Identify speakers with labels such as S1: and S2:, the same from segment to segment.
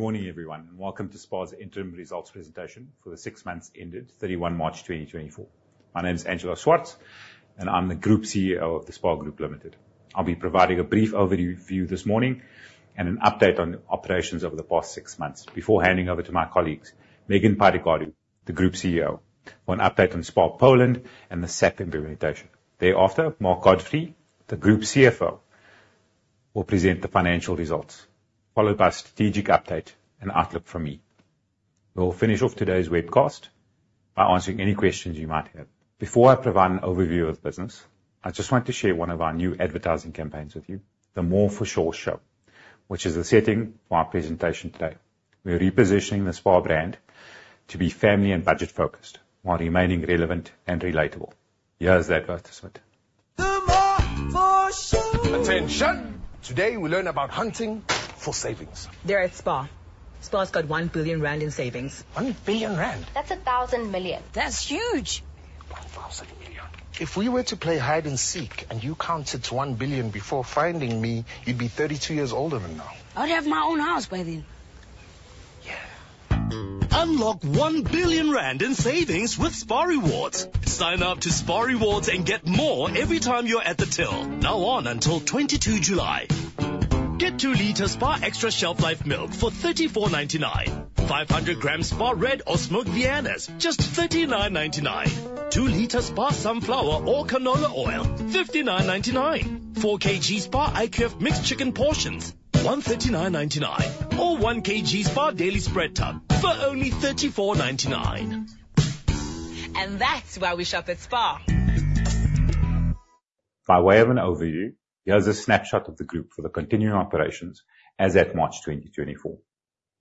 S1: Good morning, everyone, and welcome to SPAR's interim results presentation for the six months ended 31 March 2024. My name is Angelo Swartz, and I'm the Group CEO of The SPAR Group Limited. I'll be providing a brief overview this morning and an update on operations over the past six months before handing over to my colleagues, Megan Pydigadu, the Group COO, for an update on SPAR Poland and the SAP implementation. Thereafter, Mark Godfrey, the Group CFO, will present the financial results, followed by a strategic update and outlook from me. We'll finish off today's webcast by answering any questions you might have. Before I provide an overview of the business, I just want to share one of our new advertising campaigns with you, The More For Sho Show, which is the setting for our presentation today. We're repositioning the SPAR brand to be family and budget-focused while remaining relevant and relatable. Here's the advertisement. Attention! Today we learn about hunting for savings. They're at SPAR. SPAR's got 1 billion rand in savings. 1 billion? That's a thousand million. That's huge. 1,000 million. If we were to play hide and seek and you counted to 1 billion before finding me, you'd be 32 years older than now. I'd have my own house by then. Yeah. Unlock 1 billion rand in savings with SPAR Rewards. Sign up to SPAR Rewards and get more every time you're at the till, now on until 22 July. Get 2 L SPAR Extra Shelf Life Milk for 34.99, 500 g SPAR Red or Smoked Viennas, just 39.99, 2 L SPAR Sunflower or Canola Oil, 59.99, 4 kg SPAR IQF Mixed Chicken Portions, 139.99, or 1 kg SPAR Daily Spread Tub for only 34.99. That's why we shop at SPAR. By way of an overview, here's a snapshot of the group for the continuing operations as of March 2024.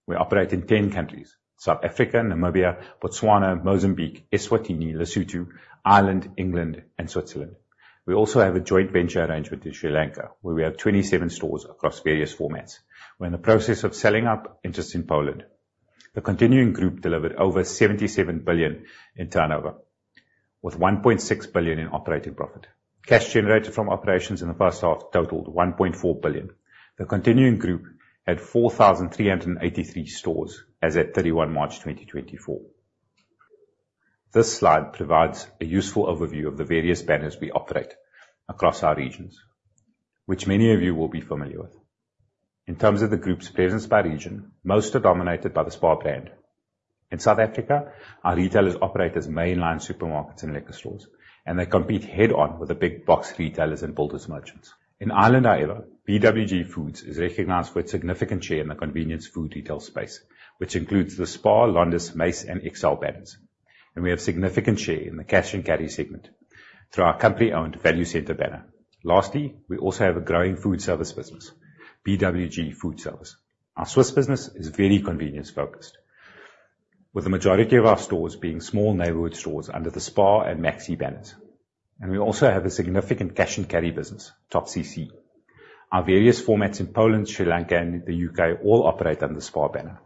S1: We're operating in 10 countries: South Africa, Namibia, Botswana, Mozambique, Eswatini, Lesotho, Ireland, England, and Switzerland. We also have a joint venture arrangement in Sri Lanka, where we have 27 stores across various formats. We're in the process of selling up our interest in Poland. The continuing group delivered over 77 billion in turnover, with 1.6 billion in operating profit. Cash generated from operations in the first half totaled 1.4 billion. The continuing group had 4,383 stores as of 31 March 2024. This slide provides a useful overview of the various banners we operate across our regions, which many of you will be familiar with. In terms of the group's presence by region, most are dominated by the SPAR brand. In South Africa, our retailers operate as mainline supermarkets and liquor stores, and they compete head-on with the big box retailers and builders merchants. In Ireland, however, BWG Foods is recognized for its significant share in the convenience food retail space, which includes the SPAR, Londis, Mace, and XL banners. And we have a significant share in the cash and carry segment through our company-owned Value Centre banner. Lastly, we also have a growing food service business, BWG Foodservice. Our Swiss business is very convenience-focused, with the majority of our stores being small neighborhood stores under the SPAR and Maxi banners. And we also have a significant cash and carry business, TopCC. Our various formats in Poland, Sri Lanka, and the U.K. all operate under the SPAR banner.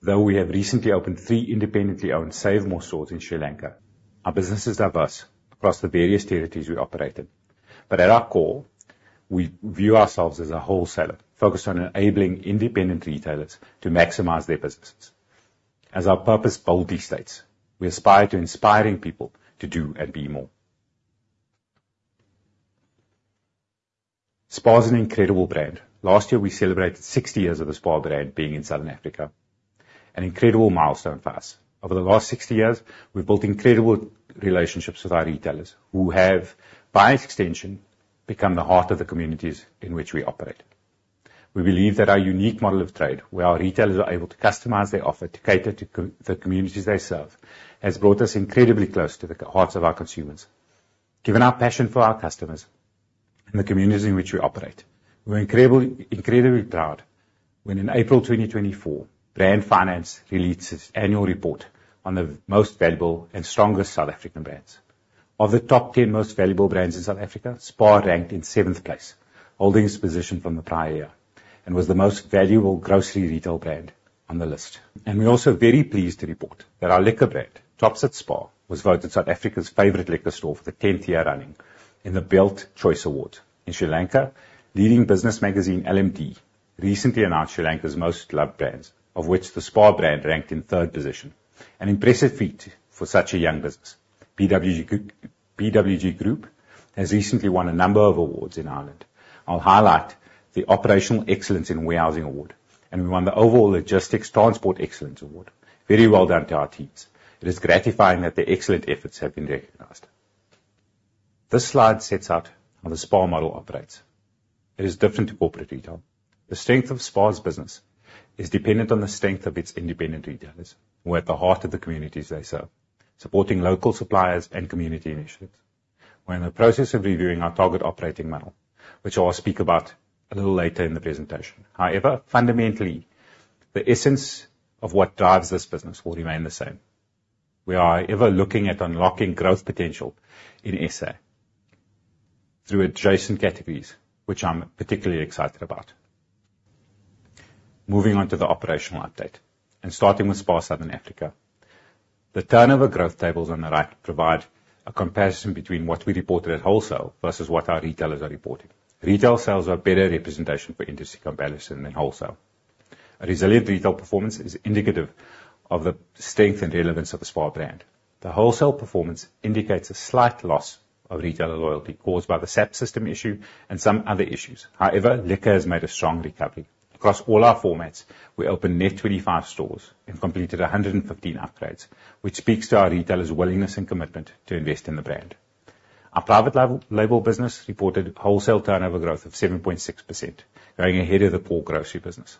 S1: Though we have recently opened three independently owned SaveMor stores in Sri Lanka, our business is diverse across the various territories we operate in. But at our core, we view ourselves as a wholesaler focused on enabling independent retailers to maximize their businesses. As our purpose boldly states, we aspire to inspiring people to do and be more. SPAR is an incredible brand. Last year, we celebrated 60 years of the SPAR brand being in Southern Africa, an incredible milestone for us. Over the last 60 years, we've built incredible relationships with our retailers who have, by extension, become the heart of the communities in which we operate. We believe that our unique model of trade, where our retailers are able to customize their offer to cater to the communities they serve, has brought us incredibly close to the hearts of our consumers, given our passion for our customers and the communities in which we operate. We're incredibly proud when, in April 2024, Brand Finance released its annual report on the most valuable and strongest South African brands. Of the top 10 most valuable brands in South Africa, SPAR ranked in 7th place, holding its position from the prior year, and was the most valuable grocery retail brand on the list, and we're also very pleased to report that our liquor brand, TOPS at SPAR, was voted South Africa's favorite liquor store for the 10th year running in the Beeld Choice Awards. In Sri Lanka, leading business magazine LMD recently announced Sri Lanka's most loved brands, of which the SPAR brand ranked in 3rd position. An impressive feat for such a young business. BWG Group has recently won a number of awards in Ireland. I'll highlight the Operational Excellence in Warehousing Award, and we won the Overall Logistics Transport Excellence Award. Very well done to our teams. It is gratifying that their excellent efforts have been recognized. This slide sets out how the SPAR model operates. It is different from corporate retail. The strength of SPAR's business is dependent on the strength of its independent retailers, who are at the heart of the communities they serve, supporting local suppliers and community initiatives. We're in the process of reviewing our target operating model, which I'll speak about a little later in the presentation. However, fundamentally, the essence of what drives this business will remain the same. We are ever looking at unlocking growth potential in SA through adjacent categories, which I'm particularly excited about. Moving on to the operational update, and starting with SPAR Southern Africa, the turnover growth tables on the right provide a comparison between what we reported at wholesale versus what our retailers are reporting. Retail sales are a better representation for industry comparison than wholesale. A resilient retail performance is indicative of the strength and relevance of the SPAR brand. The wholesale performance indicates a slight loss of retailer loyalty caused by the SAP system issue and some other issues. However, liquor has made a strong recovery. Across all our formats, we opened net 25 stores and completed 115 upgrades, which speaks to our retailers' willingness and commitment to invest in the brand. Our private label business reported wholesale turnover growth of 7.6%, going ahead of the core grocery business.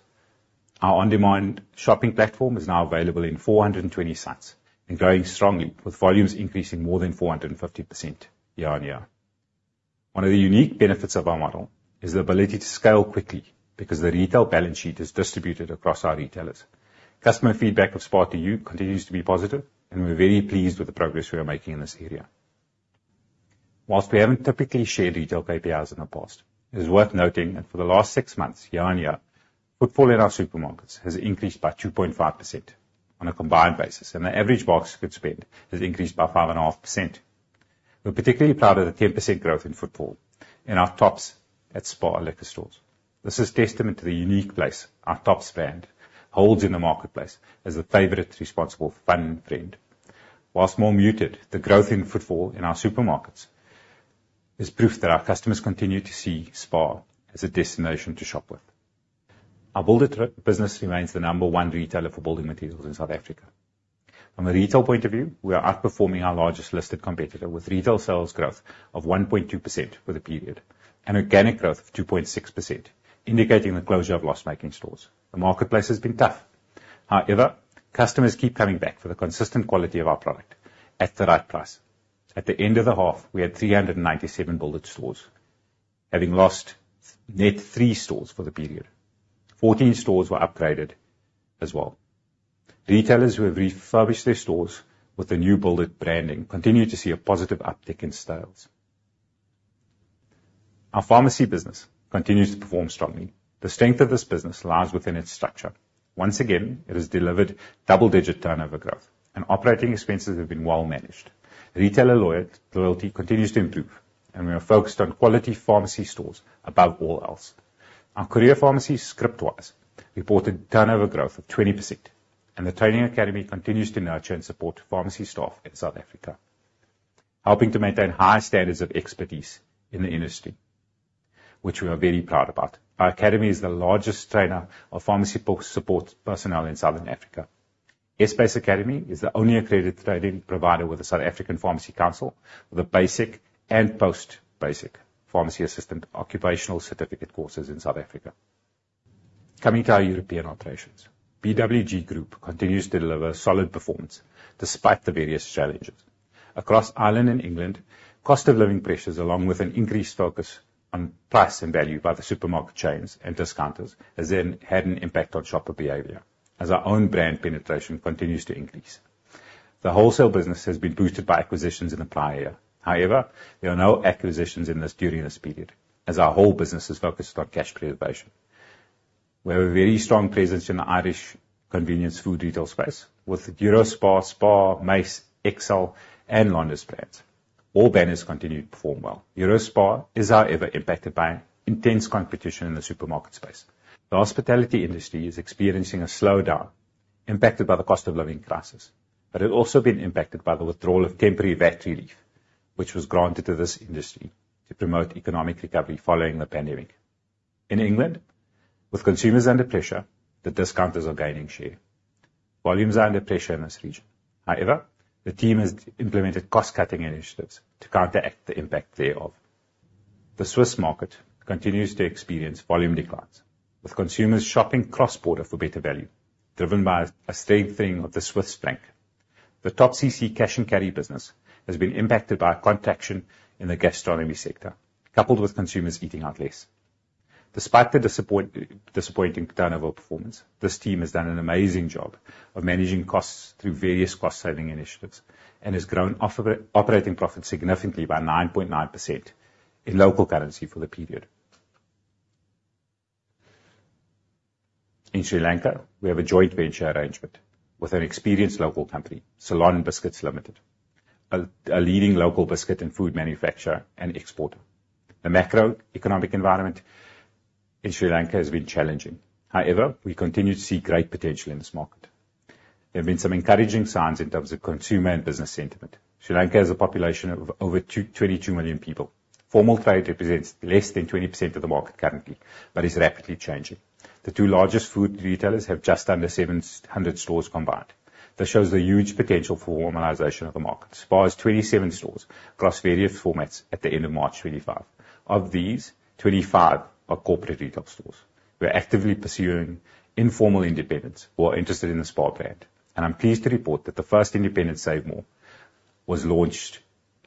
S1: Our on-demand shopping platform is now available in 420 sites, and growing strongly, with volumes increasing more than 450% year on year. One of the unique benefits of our model is the ability to scale quickly because the retail balance sheet is distributed across our retailers. Customer feedback of SPAR2U continues to be positive, and we're very pleased with the progress we are making in this area. While we haven't typically shared retail KPIs in the past, it is worth noting that for the last six months, year on year, footfall in our supermarkets has increased by 2.5% on a combined basis, and the average buyer's goods spend has increased by 5.5%. We're particularly proud of the 10% growth in footfall in our Tops at SPAR liquor stores. This is a testament to the unique place our TOPS brand holds in the marketplace as the favorite responsible fun friend. While more muted, the growth in footfall in our supermarkets is proof that our customers continue to see SPAR as a destination to shop with. Our Build it business remains the number one retailer for building materials in South Africa. From a retail point of view, we are outperforming our largest listed competitor with retail sales growth of 1.2% for the period and organic growth of 2.6%, indicating the closure of loss-making stores. The marketplace has been tough. However, customers keep coming back for the consistent quality of our product at the right price. At the end of the half, we had 397 Build it stores, having lost net three stores for the period. Fourteen stores were upgraded as well. Retailers who have refurbished their stores with the new Build it branding continue to see a positive uptick in sales. Our pharmacy business continues to perform strongly. The strength of this business lies within its structure. Once again, it has delivered double-digit turnover growth, and operating expenses have been well managed. Retailer loyalty continues to improve, and we are focused on quality pharmacy stores above all else. Our courier pharmacies, Scriptwise, reported turnover growth of 20%, and the training academy continues to nurture and support pharmacy staff in South Africa, helping to maintain high standards of expertise in the industry, which we are very proud about. Our academy is the largest trainer of pharmacy support personnel in Southern Africa. S Buys Academy is the only accredited provider with the South African Pharmacy Council for the basic and post-basic pharmacy assistant occupational certificate courses in South Africa. Coming to our European operations, BWG Group continues to deliver solid performance despite the various challenges. Across Ireland and England, cost of living pressures, along with an increased focus on price and value by the supermarket chains and discounters, has then had an impact on shopper behavior, as our own brand penetration continues to increase. The wholesale business has been boosted by acquisitions in the prior year. However, there are no acquisitions during this period, as our whole business is focused on cash preservation. We have a very strong presence in the Irish convenience food retail space with the EUROSPAR, SPAR, Mace, XL, and Londis brands. All banners continue to perform well. EUROSPAR is, however, impacted by intense competition in the supermarket space. The hospitality industry is experiencing a slowdown, impacted by the cost of living crisis, but it has also been impacted by the withdrawal of temporary VAT relief, which was granted to this industry to promote economic recovery following the pandemic. In England, with consumers under pressure, the discounters are gaining share. Volumes are under pressure in this region. However, the team has implemented cost-cutting initiatives to counteract the impact thereof. The Swiss market continues to experience volume declines, with consumers shopping cross-border for better value, driven by a strengthening of the Swiss Franc. The TopCC cash and carry business has been impacted by a contraction in the gastronomy sector, coupled with consumers eating out less. Despite the disappointing turnover performance, this team has done an amazing job of managing costs through various cost-saving initiatives and has grown operating profit significantly by 9.9% in local currency for the period. In Sri Lanka, we have a joint venture arrangement with an experienced local company, Ceylon Biscuits Limited, a leading local biscuit and food manufacturer and exporter. The macroeconomic environment in Sri Lanka has been challenging. However, we continue to see great potential in this market. There have been some encouraging signs in terms of consumer and business sentiment. Sri Lanka has a population of over 22 million people. Formal trade represents less than 20% of the market currently, but is rapidly changing. The two largest food retailers have just under 700 stores combined. This shows the huge potential for normalization of the market. SPAR has 27 stores across various formats at the end of March 2025. Of these, 25 are corporate retail stores. We're actively pursuing informal independents who are interested in the SPAR brand. I'm pleased to report that the first independent SaveMor was launched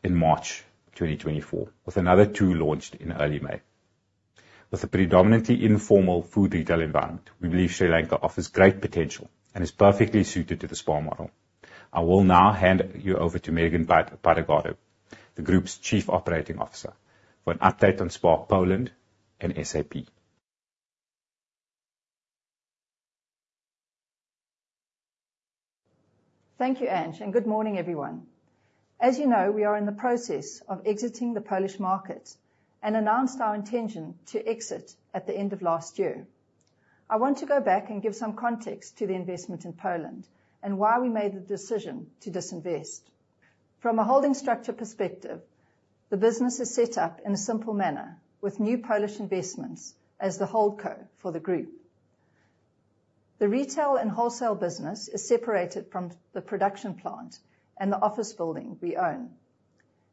S1: in March 2024, with another two launched in early May. With a predominantly informal food retail environment, we believe Sri Lanka offers great potential and is perfectly suited to the SPAR model. I will now hand you over to Megan Pydigadu, the Group's Chief Operating Officer, for an update on SPAR Poland and SAP.
S2: Thank you, Ange, and good morning, everyone. As you know, we are in the process of exiting the Polish market and announced our intention to exit at the end of last year. I want to go back and give some context to the investment in Poland and why we made the decision to disinvest. From a holding structure perspective, the business is set up in a simple manner, with New Polish Investments as the HoldCo for the group. The retail and wholesale business is separated from the production plant and the office building we own.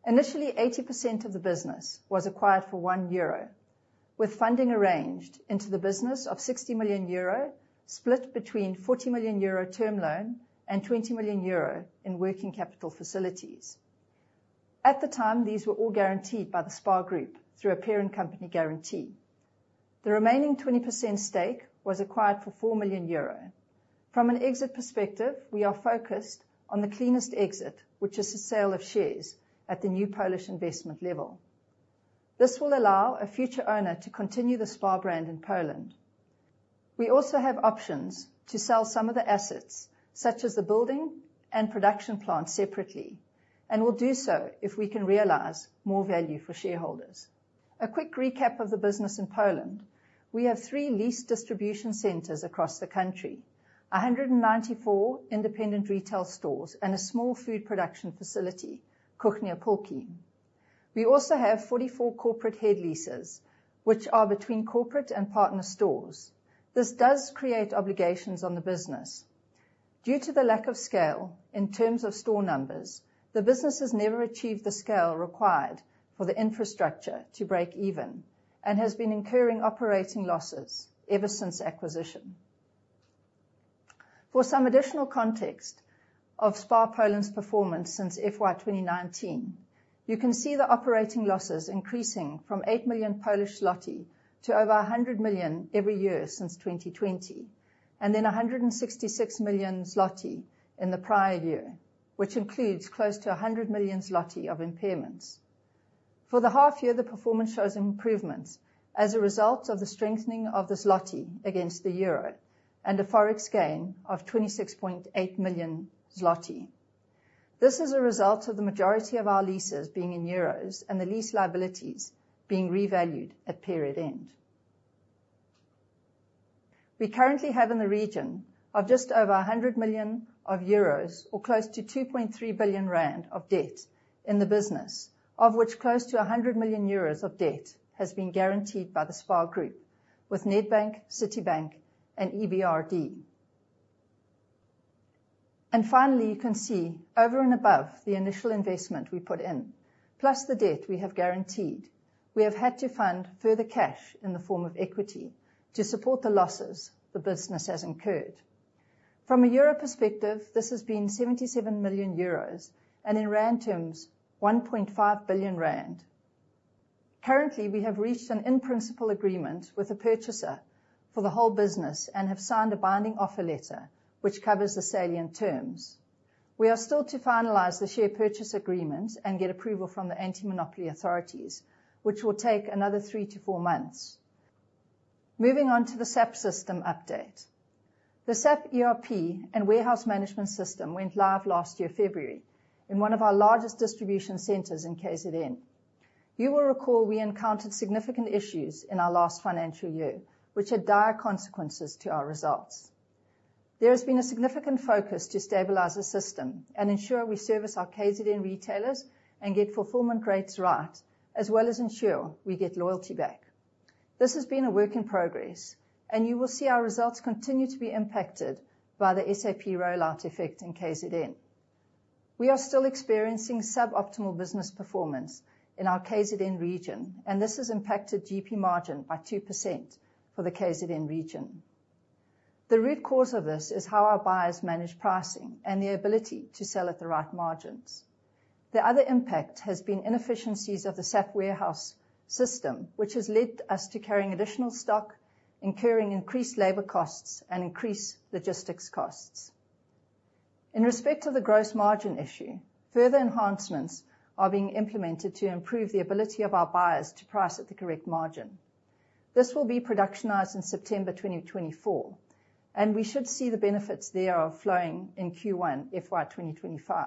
S2: Initially, 80% of the business was acquired for 1 euro, with funding arranged into the business of 60 million euro, split between 40 million euro term loan and 20 million euro in working capital facilities. At the time, these were all guaranteed by the SPAR Group through a parent company guarantee. The remaining 20% stake was acquired for 4 million euro. From an exit perspective, we are focused on the cleanest exit, which is the sale of shares at the New Polish Investments level. This will allow a future owner to continue the SPAR brand in Poland. We also have options to sell some of the assets, such as the building and production plant, separately, and will do so if we can realize more value for shareholders. A quick recap of the business in Poland: we have three lease distribution centers across the country, 194 independent retail stores, and a small food production facility, Kuchnia Polki. We also have 44 corporate head leases, which are between corporate and partner stores. This does create obligations on the business. Due to the lack of scale in terms of store numbers, the business has never achieved the scale required for the infrastructure to break even and has been incurring operating losses ever since acquisition. For some additional context of SPAR Poland's performance since FY 2019, you can see the operating losses increasing from 8 million Polish zloty to over 100 million every year since 2020, and then 166 million zloty in the prior year, which includes close to 100 million zloty of impairments. For the half year, the performance shows improvements as a result of the strengthening of the złoty against the Euro and a forex gain of 26.8 million zloty. This is a result of the majority of our leases being in euros and the lease liabilities being revalued at period end. We currently have in the region of just over 100 million euros or close to 2.3 billion rand of debt in the business, of which close to 100 million euros of debt has been guaranteed by the SPAR Group with Nedbank, Citibank, and EBRD. And finally, you can see over and above the initial investment we put in, plus the debt we have guaranteed, we have had to fund further cash in the form of equity to support the losses the business has incurred. From a Euro perspective, this has been 77 million euros and in Rand terms, 1.5 billion rand. Currently, we have reached an in-principle agreement with a purchaser for the whole business and have signed a binding offer letter, which covers the salient terms. We are still to finalize the share purchase agreement and get approval from the anti-monopoly authorities, which will take another three to four months. Moving on to the SAP system update. The SAP ERP and warehouse management system went live last year, February, in one of our largest distribution centers in KZN. You will recall we encountered significant issues in our last financial year, which had dire consequences to our results. There has been a significant focus to stabilize the system and ensure we service our KZN retailers and get fulfillment rates right, as well as ensure we get loyalty back. This has been a work in progress, and you will see our results continue to be impacted by the SAP rollout effect in KZN. We are still experiencing suboptimal business performance in our KZN region, and this has impacted GP margin by 2% for the KZN region. The root cause of this is how our buyers manage pricing and the ability to sell at the right margins. The other impact has been inefficiencies of the SAP warehouse system, which has led us to carrying additional stock, incurring increased labor costs, and increased logistics costs. In respect of the gross margin issue, further enhancements are being implemented to improve the ability of our buyers to price at the correct margin. This will be productionized in September 2024, and we should see the benefits thereof flowing in Q1 FY 2025.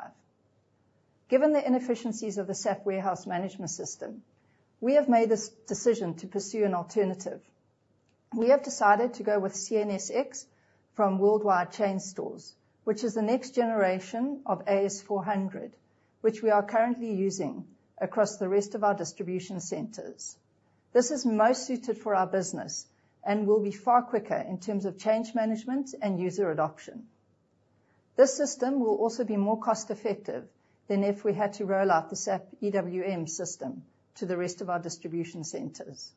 S2: Given the inefficiencies of the SAP warehouse management system, we have made this decision to pursue an alternative. We have decided to go with CSnx from Worldwide Chain Stores, which is the next generation of AS400, which we are currently using across the rest of our distribution centers. This is most suited for our business and will be far quicker in terms of change management and user adoption. This system will also be more cost-effective than if we had to roll out the SAP EWM system to the rest of our distribution centers.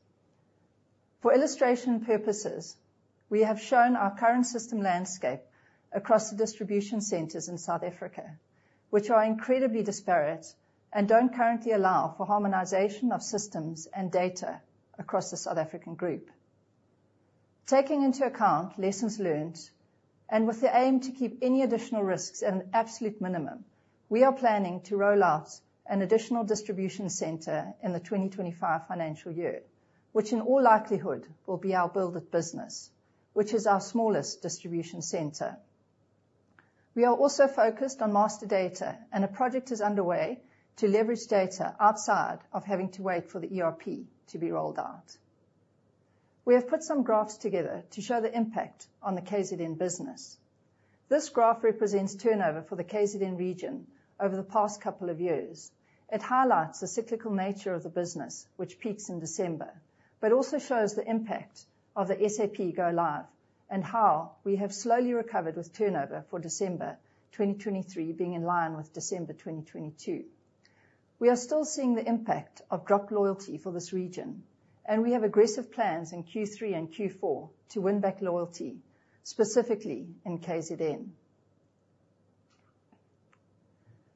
S2: For illustration purposes, we have shown our current system landscape across the distribution centers in South Africa, which are incredibly disparate and don't currently allow for harmonization of systems and data across the South African group. Taking into account lessons learned and with the aim to keep any additional risks at an absolute minimum, we are planning to roll out an additional distribution center in the 2025 financial year, which in all likelihood will be our Build it business, which is our smallest distribution center. We are also focused on master data, and a project is underway to leverage data outside of having to wait for the ERP to be rolled out. We have put some graphs together to show the impact on the KZN business. This graph represents turnover for the KZN region over the past couple of years. It highlights the cyclical nature of the business, which peaks in December, but also shows the impact of the SAP go live and how we have slowly recovered with turnover for December 2023 being in line with December 2022. We are still seeing the impact of dropped loyalty for this region, and we have aggressive plans in Q3 and Q4 to win back loyalty, specifically in KZN.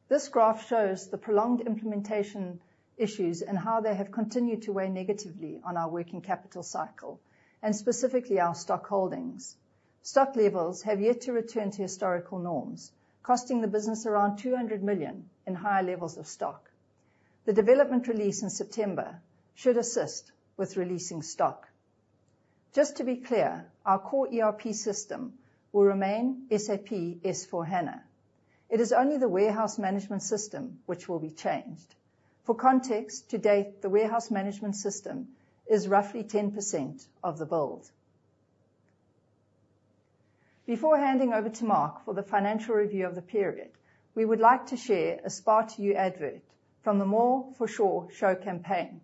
S2: This graph shows the prolonged implementation issues and how they have continued to weigh negatively on our working capital cycle and specifically our stock holdings. Stock levels have yet to return to historical norms, costing the business around 200 million in higher levels of stock. The development release in September should assist with releasing stock. Just to be clear, our core ERP system will remain SAP S/4HANA. It is only the warehouse management system which will be changed. For context, to date, the warehouse management system is roughly 10% of the build. Before handing over to Mark for the financial review of the period, we would like to share a SPAR2U advert from The More For Sho Show campaign.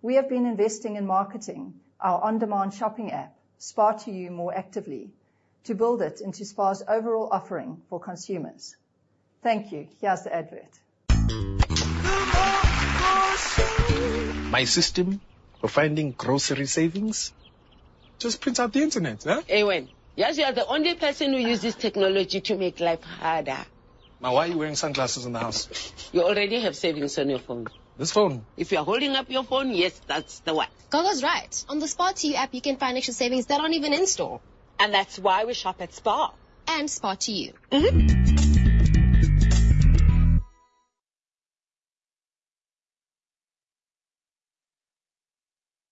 S2: We have been investing in marketing our on-demand shopping app, SPAR2U, more actively to Build it into SPAR's overall offering for consumers. Thank you. Here's the advert. My system for finding grocery savings? Just prints out the internet, Ewan. Yes, you are the only person who uses technology to make life harder. Now, why are you wearing sunglasses in the house? You already have savings on your phone. This phone? If you're holding up your phone, yes, that's the one. Gogo's right. On the SPAR2U app, you can find extra savings that aren't even in store. And that's why we shop at SPAR. And SPAR2U.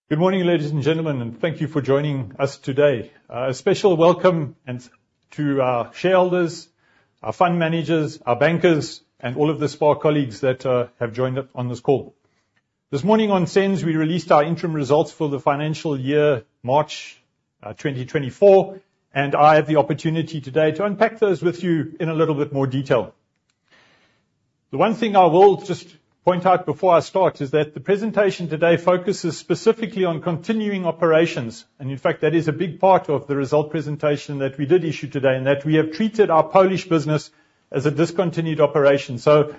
S3: Good morning, ladies and gentlemen, and thank you for joining us today. A special welcome to our shareholders, our fund managers, our bankers, and all of the SPAR colleagues that have joined us on this call. This morning on SENS, we released our interim results for the financial year, March 2024, and I have the opportunity today to unpack those with you in a little bit more detail. The one thing I will just point out before I start is that the presentation today focuses specifically on continuing operations. And in fact, that is a big part of the result presentation that we did issue today in that we have treated our Polish business as a discontinued operation. So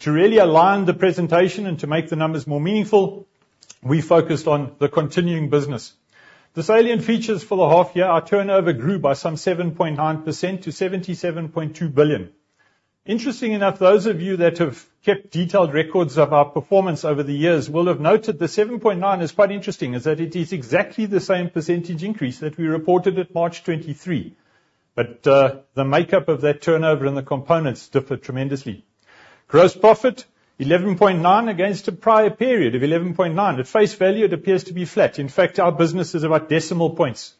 S3: to really align the presentation and to make the numbers more meaningful, we focused on the continuing business. The salient features for the half year, our turnover grew by some 7.9% to 77.2 billion. Interesting enough, those of you that have kept detailed records of our performance over the years will have noted the 7.9% is quite interesting as that it is exactly the same percentage increase that we reported at March 2023. But the makeup of that turnover and the components differ tremendously. Gross profit, 11.9% against a prior period of 11.9%. At face value, it appears to be flat. In fact, our business is about decimal points.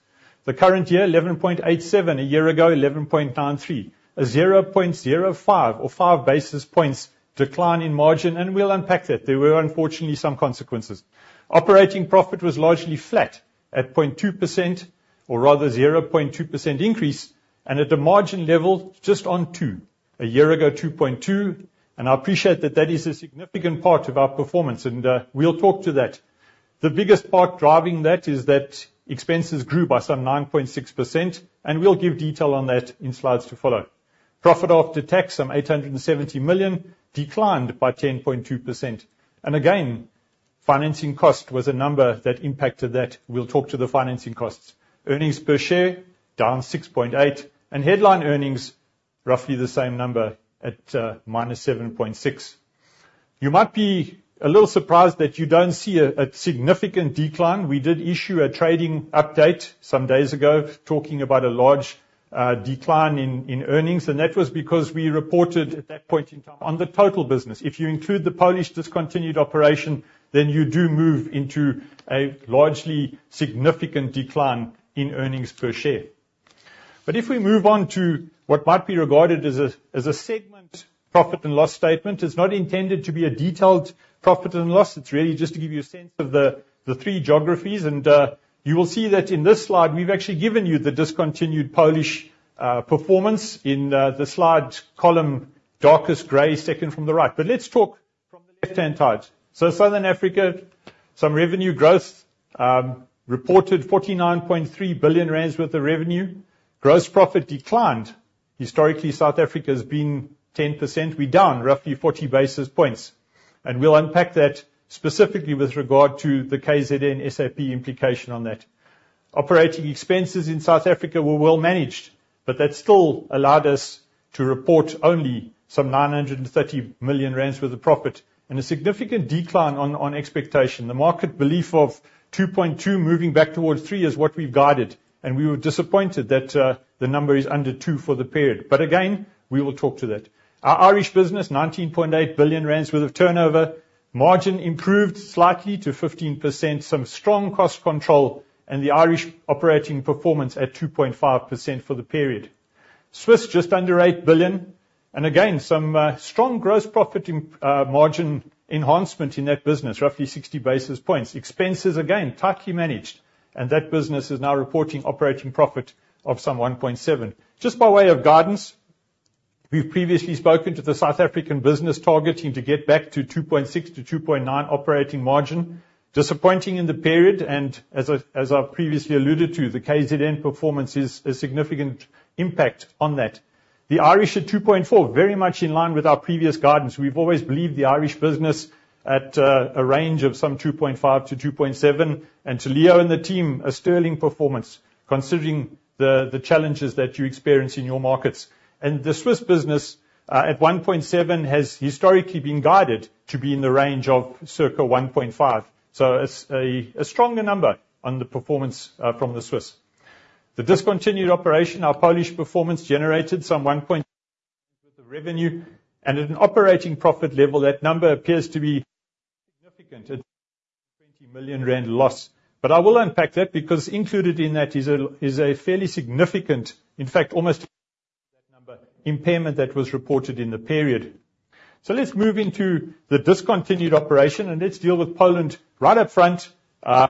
S3: The current year, 11.87%. A year ago, 11.93%. A 0.05 or five basis points decline in margin, and we'll unpack that. There were unfortunately some consequences. Operating profit was largely flat at 0.2% or rather 0.2% increase, and at the margin level, just on two. A year ago, 2.2%, and I appreciate that that is a significant part of our performance, and we'll talk to that. The biggest part driving that is that expenses grew by some 9.6%, and we'll give detail on that in slides to follow. Profit after tax of 870 million declined by 10.2%, and again, financing cost was a number that impacted that. We'll talk to the financing costs. Earnings per share down 6.8%, and headline earnings roughly the same number at -7.6%. You might be a little surprised that you don't see a significant decline. We did issue a trading update some days ago talking about a large decline in earnings, and that was because we reported at that point in time on the total business. If you include the Polish discontinued operation, then you do move into a largely significant decline in earnings per share. But if we move on to what might be regarded as a segment profit and loss statement, it's not intended to be a detailed profit and loss. It's really just to give you a sense of the three geographies, and you will see that in this slide, we've actually given you the discontinued Polish performance in the slide column, darkest gray, second from the right. But let's talk from the left-hand side. So Southern Africa, some revenue growth reported 49.3 billion rand worth of revenue. Gross profit declined. Historically, South Africa has been 10%. We're down roughly 40 basis points, and we'll unpack that specifically with regard to the KZN SAP implication on that. Operating expenses in South Africa were well managed, but that still allowed us to report only some 930 million rand worth of profit and a significant decline on expectation. The market belief of 2.2 moving back towards three is what we've guided, and we were disappointed that the number is under two for the period. But again, we will talk to that. Our Irish business, 19.8 billion rand worth of turnover. Margin improved slightly to 15%, some strong cost control, and the Irish operating performance at 2.5% for the period. Swiss, just under 8 billion, and again, some strong gross profit margin enhancement in that business, roughly 60 basis points. Expenses, again, tightly managed, and that business is now reporting operating profit of some 1.7. Just by way of guidance, we've previously spoken to the South African business targeting to get back to 2.6 to 2.9 operating margin. Disappointing in the period, and as I've previously alluded to, the KZN performance is a significant impact on that. The Irish at 2.4, very much in line with our previous guidance. We've always believed the Irish business at a range of some 2.5% to 2.7%, and to Leo and the team, a sterling performance considering the challenges that you experience in your markets, and the Swiss business at 1.7% has historically been guided to be in the range of circa 1.5%. It's a stronger number on the performance from the Swiss. The discontinued operation, our Polish performance generated some [1.9%] worth of revenue, and at an operating profit level, that number appears to be significant at [20] million rand loss, but I will unpack that because included in that is a fairly significant, in fact, almost that number, impairment that was reported in the period, so let's move into the discontinued operation, and let's deal with Poland right up front. As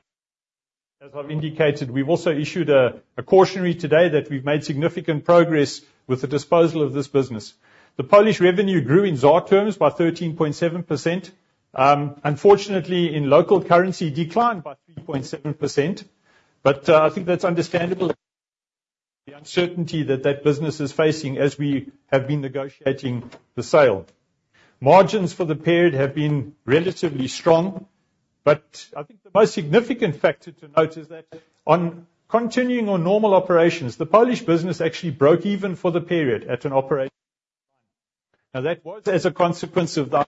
S3: I've indicated, we've also issued a cautionary today that we've made significant progress with the disposal of this business. The Polish revenue grew in ZAR terms by 13.7%. Unfortunately, in local currency, it declined by 3.7%, but I think that's understandable. The uncertainty that that business is facing as we have been negotiating the sale. Margins for the period have been relatively strong, but I think the most significant factor to note is that on continuing or normal operations, the Polish business actually broke even for the period at an operating line. Now, that was as a consequence of the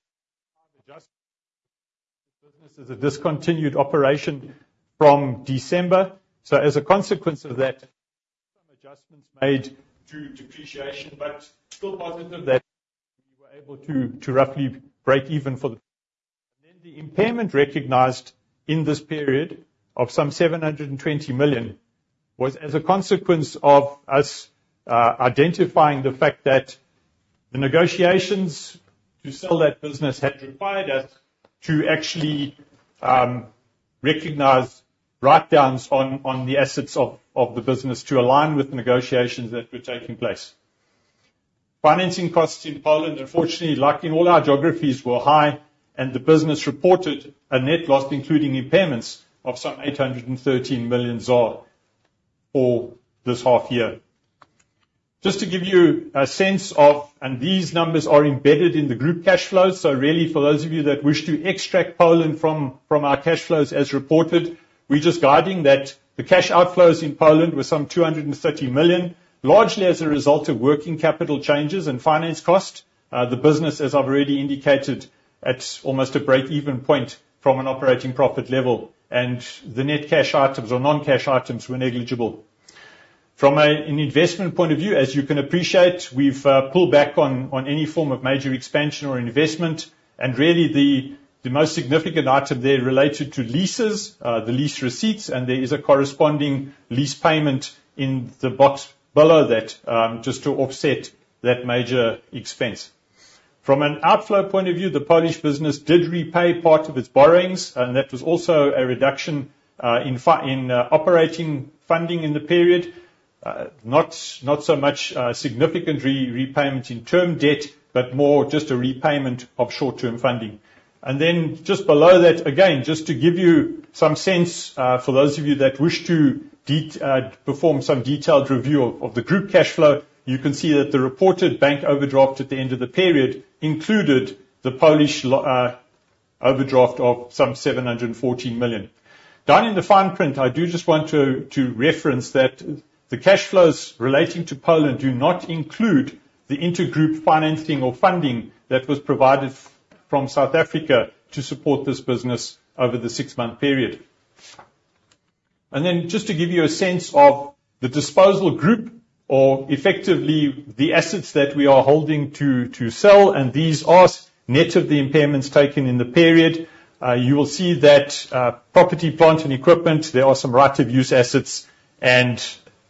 S3: adjustment. This business is a discontinued operation from December. So as a consequence of that, some adjustments made to depreciation, but still positive that we were able to roughly break even for the. And then the impairment recognized in this period of some 720 million was as a consequence of us identifying the fact that the negotiations to sell that business had required us to actually recognize write-downs on the assets of the business to align with the negotiations that were taking place. Financing costs in Poland, unfortunately, like in all our geographies, were high, and the business reported a net loss, including impairments, of some 813 million ZAR for this half year. Just to give you a sense of, and these numbers are embedded in the group cash flows. So really, for those of you that wish to extract Poland from our cash flows as reported, we're just guiding that the cash outflows in Poland were some 230 million, largely as a result of working capital changes and finance costs. The business, as I've already indicated, at almost a break-even point from an operating profit level, and the net cash items or non-cash items were negligible. From an investment point of view, as you can appreciate, we've pulled back on any form of major expansion or investment, and really the most significant item there related to leases, the lease receipts, and there is a corresponding lease payment in the box below that just to offset that major expense. From an outflow point of view, the Polish business did repay part of its borrowings, and that was also a reduction in operating funding in the period. Not so much significant repayments in term debt, but more just a repayment of short-term funding. And then just below that, again, just to give you some sense, for those of you that wish to perform some detailed review of the group cash flow, you can see that the reported bank overdraft at the end of the period included the Polish overdraft of some 714 million. Down in the fine print, I do just want to reference that the cash flows relating to Poland do not include the inter-group financing or funding that was provided from South Africa to support this business over the six-month period. And then just to give you a sense of the disposal group or effectively the assets that we are holding to sell, and these are net of the impairments taken in the period. You will see that property, plant, and equipment, there are some right-of-use assets, and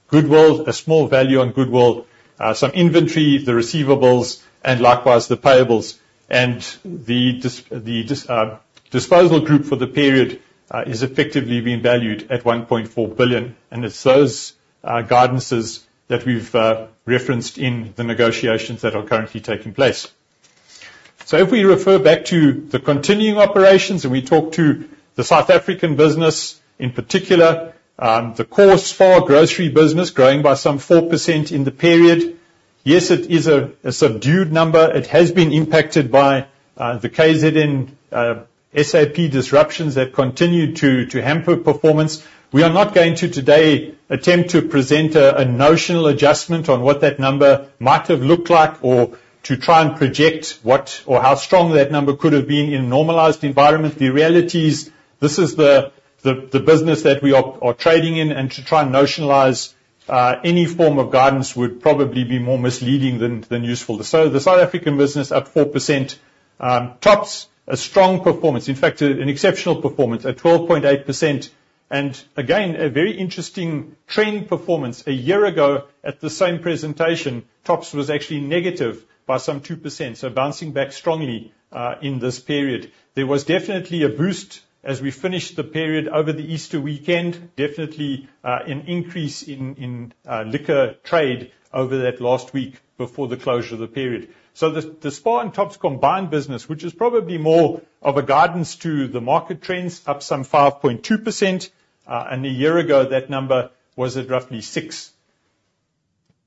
S3: goodwill, a small value on goodwill, some inventory, the receivables, and likewise the payables. And the disposal group for the period is effectively being valued at 1.4 billion. And it's those guidances that we've referenced in the negotiations that are currently taking place. So if we refer back to the continuing operations and we talk to the South African business in particular, the course for grocery business growing by some 4% in the period, yes, it is a subdued number. It has been impacted by the KZN SAP disruptions that continue to hamper performance. We are not going to today attempt to present a notional adjustment on what that number might have looked like or to try and project what or how strong that number could have been in a normalized environment. The reality is this is the business that we are trading in, and to try and notionalize any form of guidance would probably be more misleading than useful. The South African business at 4%, TOPS a strong performance, in fact, an exceptional performance at 12.8%, and again, a very interesting trend performance. A year ago, at the same presentation, TOPS was actually negative by some 2%. Bouncing back strongly in this period. There was definitely a boost as we finished the period over the Easter weekend, definitely an increase in liquor trade over that last week before the closure of the period. The SPAR and TOPS combined business, which is probably more of a guidance to the market trends, up some 5.2%. A year ago, that number was at roughly 6%.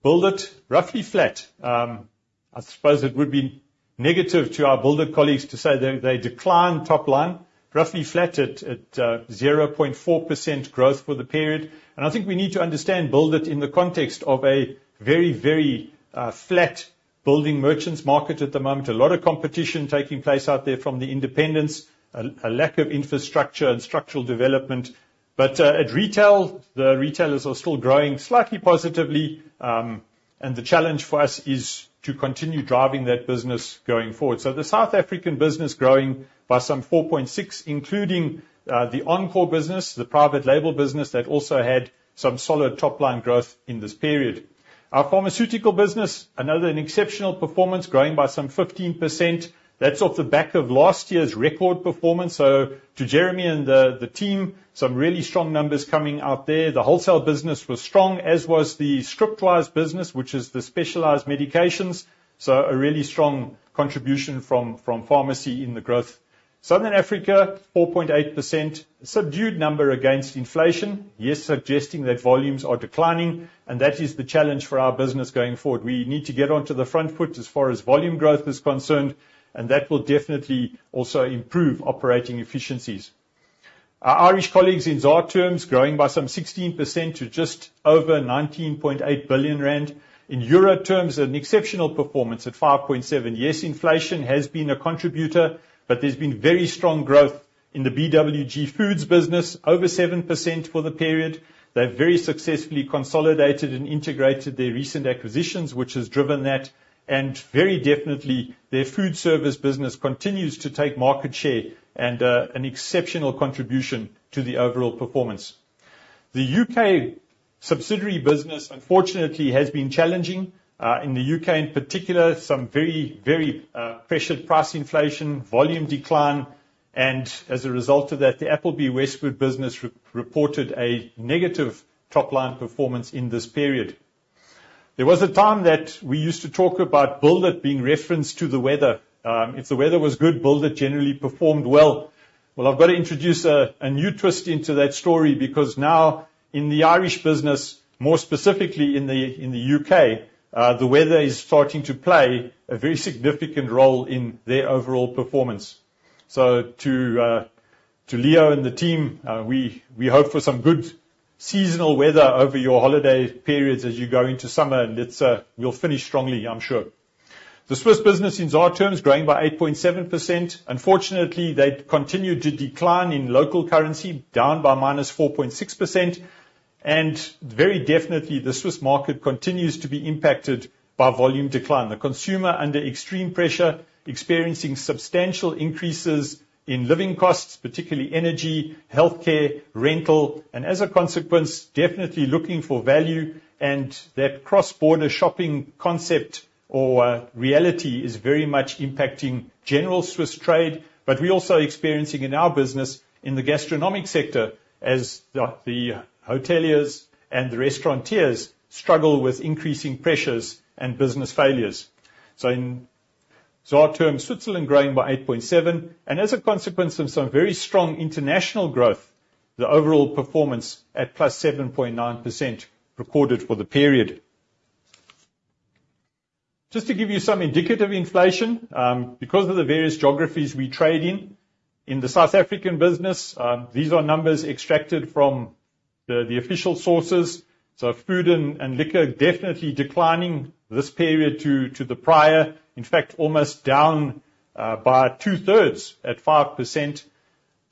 S3: BWG, roughly flat. I suppose it would be negative to our Build it colleagues to say that they declined top line. Roughly flat at 0.4% growth for the period, and I think we need to understand Build it in the context of a very, very flat building merchants market at the moment. A lot of competition taking place out there from the independents, a lack of infrastructure and structural development. But at retail, the retailers are still growing slightly positively, and the challenge for us is to continue driving that business going forward, so the South African business growing by some 4.6%, including the Encore business, the private label business that also had some solid top line growth in this period. Our pharmaceutical business, another exceptional performance growing by some 15%. That's off the back of last year's record performance, so to Jeremy and the team, some really strong numbers coming out there. The wholesale business was strong, as was the Scriptwise business, which is the specialized medications. So a really strong contribution from pharmacy in the growth. Southern Africa, 4.8%, subdued number against inflation, yes, suggesting that volumes are declining, and that is the challenge for our business going forward. We need to get onto the front foot as far as volume growth is concerned, and that will definitely also improve operating efficiencies. Our Irish colleagues in ZAR terms growing by some 16% to just over 19.8 billion rand. In euro terms, an exceptional performance at 5.7%. Yes, inflation has been a contributor, but there's been very strong growth in the BWG Foods business, over 7% for the period. They've very successfully consolidated and integrated their recent acquisitions, which has driven that, and very definitely their food service business continues to take market share and an exceptional contribution to the overall performance. The U.K. subsidiary business, unfortunately, has been challenging. In the U.K., in particular, some very, very pressured price inflation, volume decline, and as a result of that, the Appleby Westward business reported a negative top line performance in this period. There was a time that we used to talk Build it being referenced to the weather. If the weather was Build it generally performed well. I've got to introduce a new twist into that story because now in the Irish business, more specifically in the U.K., the weather is starting to play a very significant role in their overall performance. So to Leo and the team, we hope for some good seasonal weather over your holiday periods as you go into summer, and we'll finish strongly, I'm sure. The Swiss business in ZAR terms growing by 8.7%. Unfortunately, they've continued to decline in local currency, down by -4.6%. And very definitely, the Swiss market continues to be impacted by volume decline. The consumer, under extreme pressure, experiencing substantial increases in living costs, particularly energy, healthcare, rental, and as a consequence, definitely looking for value, and that cross-border shopping concept or reality is very much impacting general Swiss trade. But we're also experiencing in our business, in the gastronomic sector, as the hoteliers and the restaurateurs struggle with increasing pressures and business failures. In ZAR terms, Switzerland growing by 8.7%, and as a consequence of some very strong international growth, the overall performance at +7.9% recorded for the period. Just to give you some indicative inflation, because of the various geographies we trade in, in the South African business, these are numbers extracted from the official sources. Food and liquor definitely declining this period to the prior, in fact, almost down by 2/3 at 5%.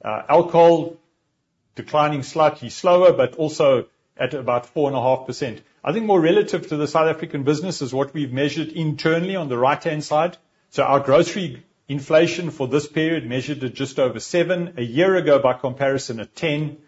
S3: Alcohol declining slightly slower, but also at about 4.5%. I think more relative to the South African business is what we've measured internally on the right-hand side. Our grocery inflation for this period measured at just over 7%. A year ago, by comparison, at 10%.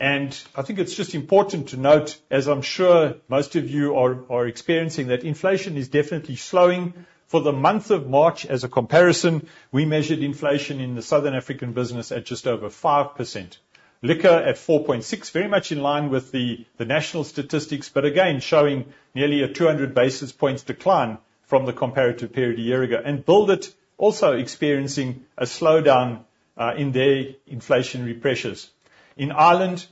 S3: I think it's just important to note, as I'm sure most of you are experiencing, that inflation is definitely slowing. For the month of March, as a comparison, we measured inflation in the Southern African business at just over 5%. Liquor at 4.6%, very much in line with the national statistics, but again, showing nearly a 200 basis points decline from the comparative period a year ago, and Build it also experiencing a slowdown in their inflationary pressures. In Ireland,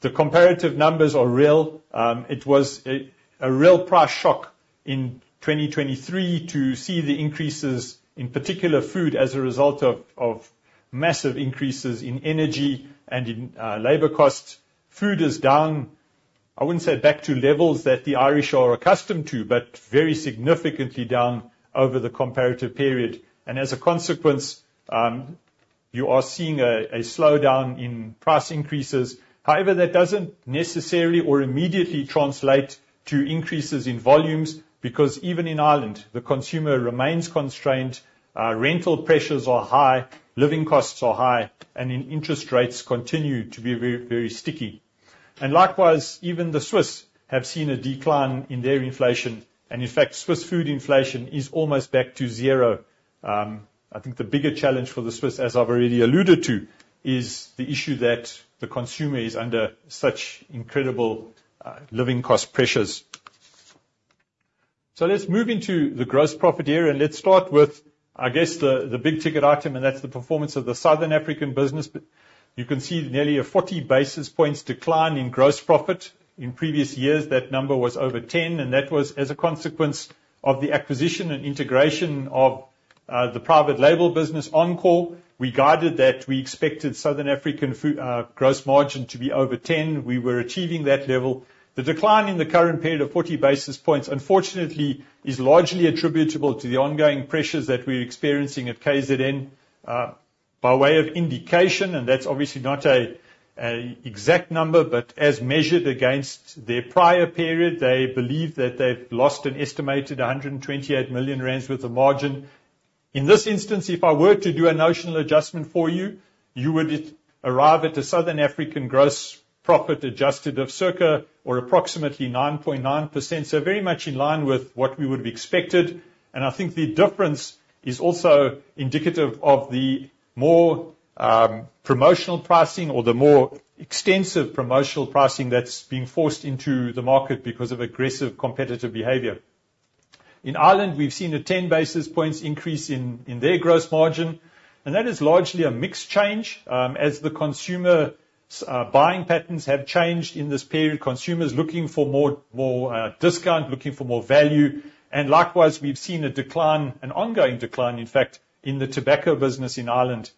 S3: the comparative numbers are real. It was a real price shock in 2023 to see the increases, in particular food, as a result of massive increases in energy and in labor costs. Food is down. I wouldn't say back to levels that the Irish are accustomed to, but very significantly down over the comparative period, and as a consequence, you are seeing a slowdown in price increases. However, that doesn't necessarily or immediately translate to increases in volumes because even in Ireland, the consumer remains constrained. Rental pressures are high, living costs are high, and interest rates continue to be very, very sticky. And likewise, even the Swiss have seen a decline in their inflation. And in fact, Swiss food inflation is almost back to zero. I think the bigger challenge for the Swiss, as I've already alluded to, is the issue that the consumer is under such incredible living cost pressures. So let's move into the gross profit area, and let's start with, I guess, the big ticket item, and that's the performance of the Southern African business. You can see nearly a 40 basis points decline in gross profit. In previous years, that number was over 10, and that was as a consequence of the acquisition and integration of the private label business, Encore. We guided that we expected Southern African gross margin to be over 10. We were achieving that level. The decline in the current period of 40 basis points, unfortunately, is largely attributable to the ongoing pressures that we're experiencing at KZN by way of indication, and that's obviously not an exact number, but as measured against their prior period, they believe that they've lost an estimated 128 million rand worth of margin. In this instance, if I were to do a notional adjustment for you, you would arrive at a Southern African gross profit adjusted of circa or approximately 9.9%. So very much in line with what we would have expected. And I think the difference is also indicative of the more promotional pricing or the more extensive promotional pricing that's being forced into the market because of aggressive competitive behavior. In Ireland, we've seen a 10 basis points increase in their gross margin, and that is largely a mix change as the consumer buying patterns have changed in this period. Consumers looking for more discount, looking for more value. Likewise, we've seen a decline, an ongoing decline, in fact, in the tobacco business in Ireland.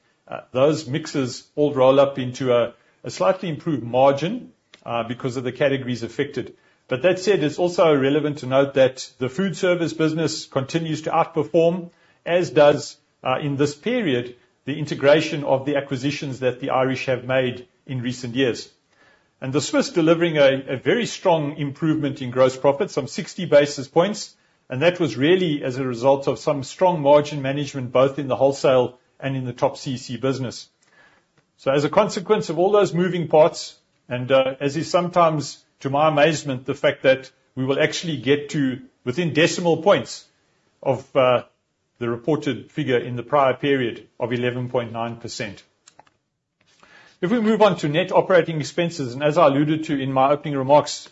S3: Those mixes all roll up into a slightly improved margin because of the categories affected. That said, it's also relevant to note that the food service business continues to outperform, as does in this period, the integration of the acquisitions that the Irish have made in recent years. The Swiss delivering a very strong improvement in gross profits, some 60 basis points, and that was really as a result of some strong margin management, both in the wholesale and in the TopCC business. So as a consequence of all those moving parts, and as is sometimes, to my amazement, the fact that we will actually get to within decimal points of the reported figure in the prior period of 11.9%. If we move on to net operating expenses, and as I alluded to in my opening remarks,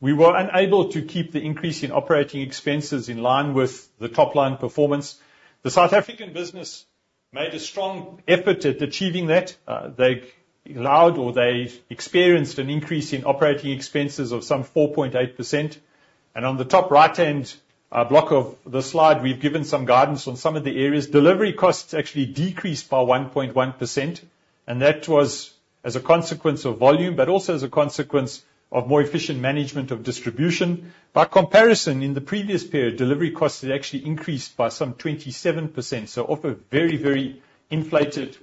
S3: we were unable to keep the increase in operating expenses in line with the top line performance. The South African business made a strong effort at achieving that. They allowed or they experienced an increase in operating expenses of some 4.8%. And on the top right-hand block of the slide, we've given some guidance on some of the areas. Delivery costs actually decreased by 1.1%, and that was as a consequence of volume, but also as a consequence of more efficient management of distribution. By comparison, in the previous period, delivery costs had actually increased by some 27%. So off a very, very inflated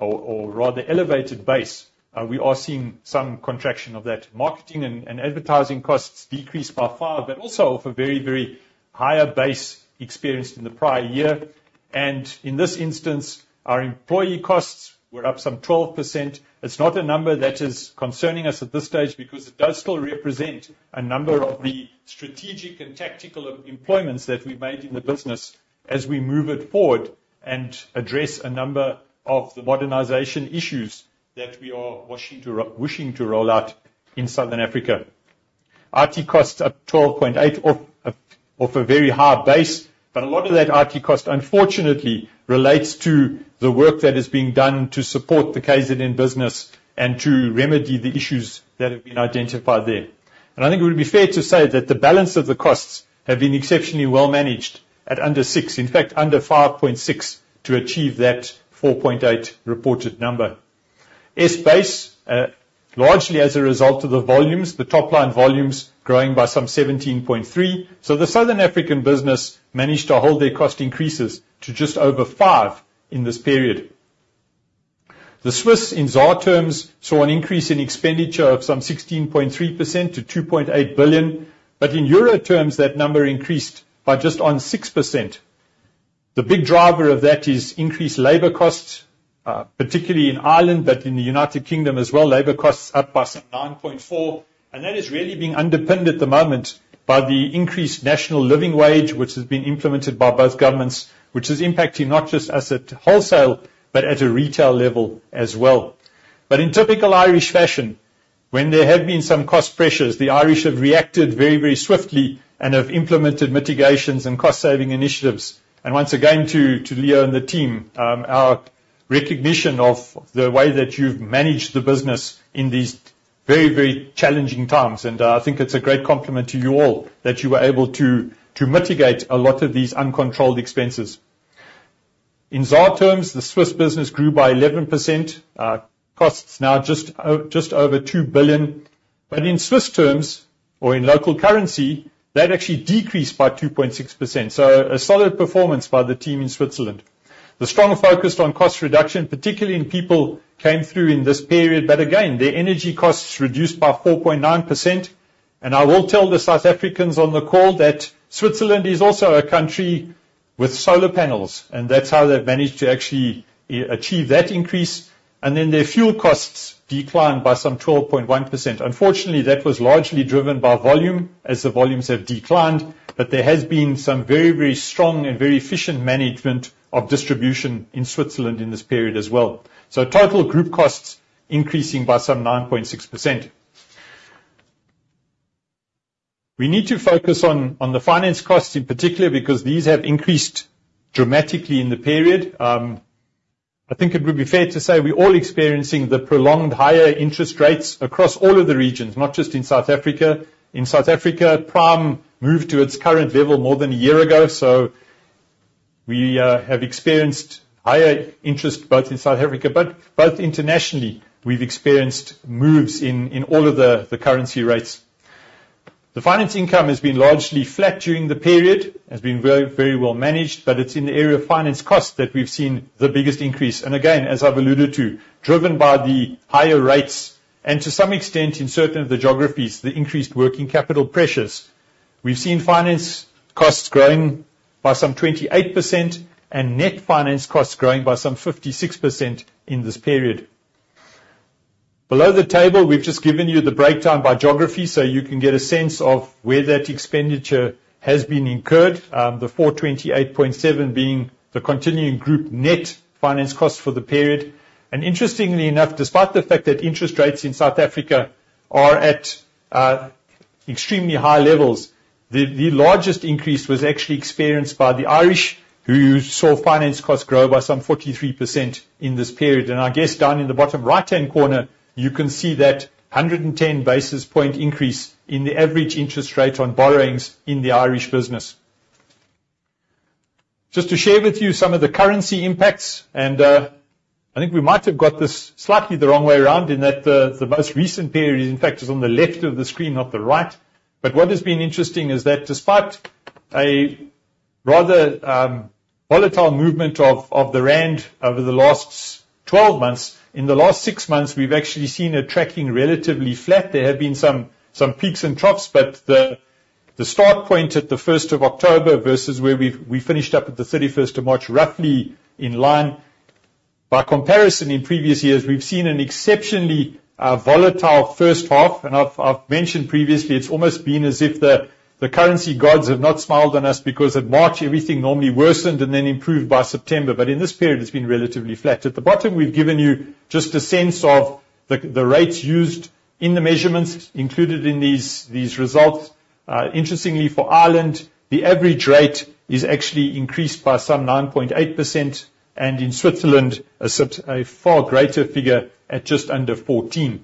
S3: or rather elevated base, we are seeing some contraction of that. Marketing and advertising costs decreased by far, but also off a very, very high base experienced in the prior year. And in this instance, our employee costs were up some 12%. It's not a number that is concerning us at this stage because it does still represent a number of the strategic and tactical employments that we've made in the business as we move it forward and address a number of the modernization issues that we are wishing to roll out in Southern Africa. IT costs up 12.8% off a very high base, but a lot of that IT cost, unfortunately, relates to the work that is being done to support the KZN business and to remedy the issues that have been identified there. I think it would be fair to say that the balance of the costs have been exceptionally well managed at under 6%, in fact, under 5.6% to achieve that 4.8% reported number. S Buys, largely as a result of the volumes, the top line volumes growing by some 17.3%. The Southern African business managed to hold their cost increases to just over 5% in this period. The Swiss in ZAR terms saw an increase in expenditure of some 16.3% to 2.8 billion, but in euro terms, that number increased by just under 6%. The big driver of that is increased labor costs, particularly in Ireland, but in the United Kingdom as well, labor costs up by some 9.4%, and that is really being underpinned at the moment by the increased national living wage, which has been implemented by both governments, which is impacting not just us at wholesale, but at a retail level as well, but in typical Irish fashion, when there have been some cost pressures, the Irish have reacted very, very swiftly and have implemented mitigations and cost-saving initiatives, and once again, to Leo and the team, our recognition of the way that you've managed the business in these very, very challenging times, and I think it's a great compliment to you all that you were able to mitigate a lot of these uncontrolled expenses. In ZAR terms, the Swiss business grew by 11%, costs now just over 2 billion, but in Swiss terms or in local currency, that actually decreased by 2.6%. So a solid performance by the team in Switzerland. The strong focus on cost reduction, particularly in people, came through in this period, but again, their energy costs reduced by 4.9%. And I will tell the South Africans on the call that Switzerland is also a country with solar panels, and that's how they've managed to actually achieve that increase. And then their fuel costs declined by some 12.1%. Unfortunately, that was largely driven by volume as the volumes have declined, but there has been some very, very strong and very efficient management of distribution in Switzerland in this period as well. So total group costs increasing by some 9.6%. We need to focus on the finance costs in particular because these have increased dramatically in the period. I think it would be fair to say we're all experiencing the prolonged higher interest rates across all of the regions, not just in South Africa. In South Africa, prime moved to its current level more than a year ago, so we have experienced higher interest both in South Africa, but both internationally, we've experienced moves in all of the currency rates. The finance income has been largely flat during the period, has been very, very well managed, but it's in the area of finance costs that we've seen the biggest increase, and again, as I've alluded to, driven by the higher rates and to some extent in certain of the geographies, the increased working capital pressures. We've seen finance costs growing by some 28% and net finance costs growing by some 56% in this period. Below the table, we've just given you the breakdown by geography so you can get a sense of where that expenditure has been incurred, the 428.7 being the continuing group net finance cost for the period. Interestingly enough, despite the fact that interest rates in South Africa are at extremely high levels, the largest increase was actually experienced by the Irish, who saw finance costs grow by some 43% in this period. I guess down in the bottom right-hand corner, you can see that 110 basis point increase in the average interest rate on borrowings in the Irish business. Just to share with you some of the currency impacts, and I think we might have got this slightly the wrong way around in that the most recent period is in fact on the left of the screen, not the right. But what has been interesting is that despite a rather volatile movement of the rand over the last 12 months, in the last six months, we've actually seen a tracking relatively flat. There have been some peaks and troughs, but the start point at the 1st of October versus where we finished up at the 31st of March roughly in line. By comparison in previous years, we've seen an exceptionally volatile first half, and I've mentioned previously it's almost been as if the currency gods have not smiled on us because at March, everything normally worsened and then improved by September, but in this period, it's been relatively flat. At the bottom, we've given you just a sense of the rates used in the measurements included in these results. Interestingly, for Ireland, the average rate is actually increased by some 9.8%, and in Switzerland, a far greater figure at just under 14%.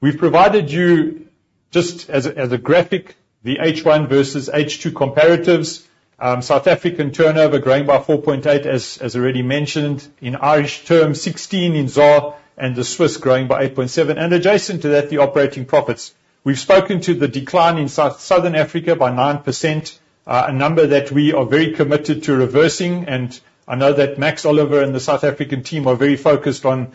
S3: We've provided you just as a graphic, the H1 versus H2 comparatives. South African turnover growing by 4.8%, as already mentioned in Irish terms, 16% in ZAR, and the Swiss growing by 8.7%, and adjacent to that, the operating profits. We've spoken to the decline in Southern Africa by 9%, a number that we are very committed to reversing, and I know that Max Oliva and the South African team are very focused on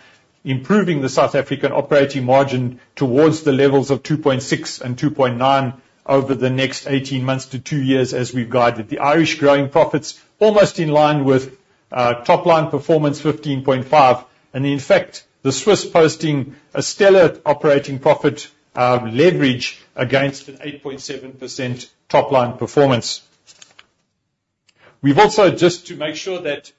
S3: improving the South African operating margin towards the levels of 2.6% and 2.9% over the next 18 months to two years as we've guided. The Irish growing profits almost in line with top line performance 15.5%, and in fact, the Swiss posting a stellar operating profit leverage against an 8.7% top line performance. We've also just to make sure that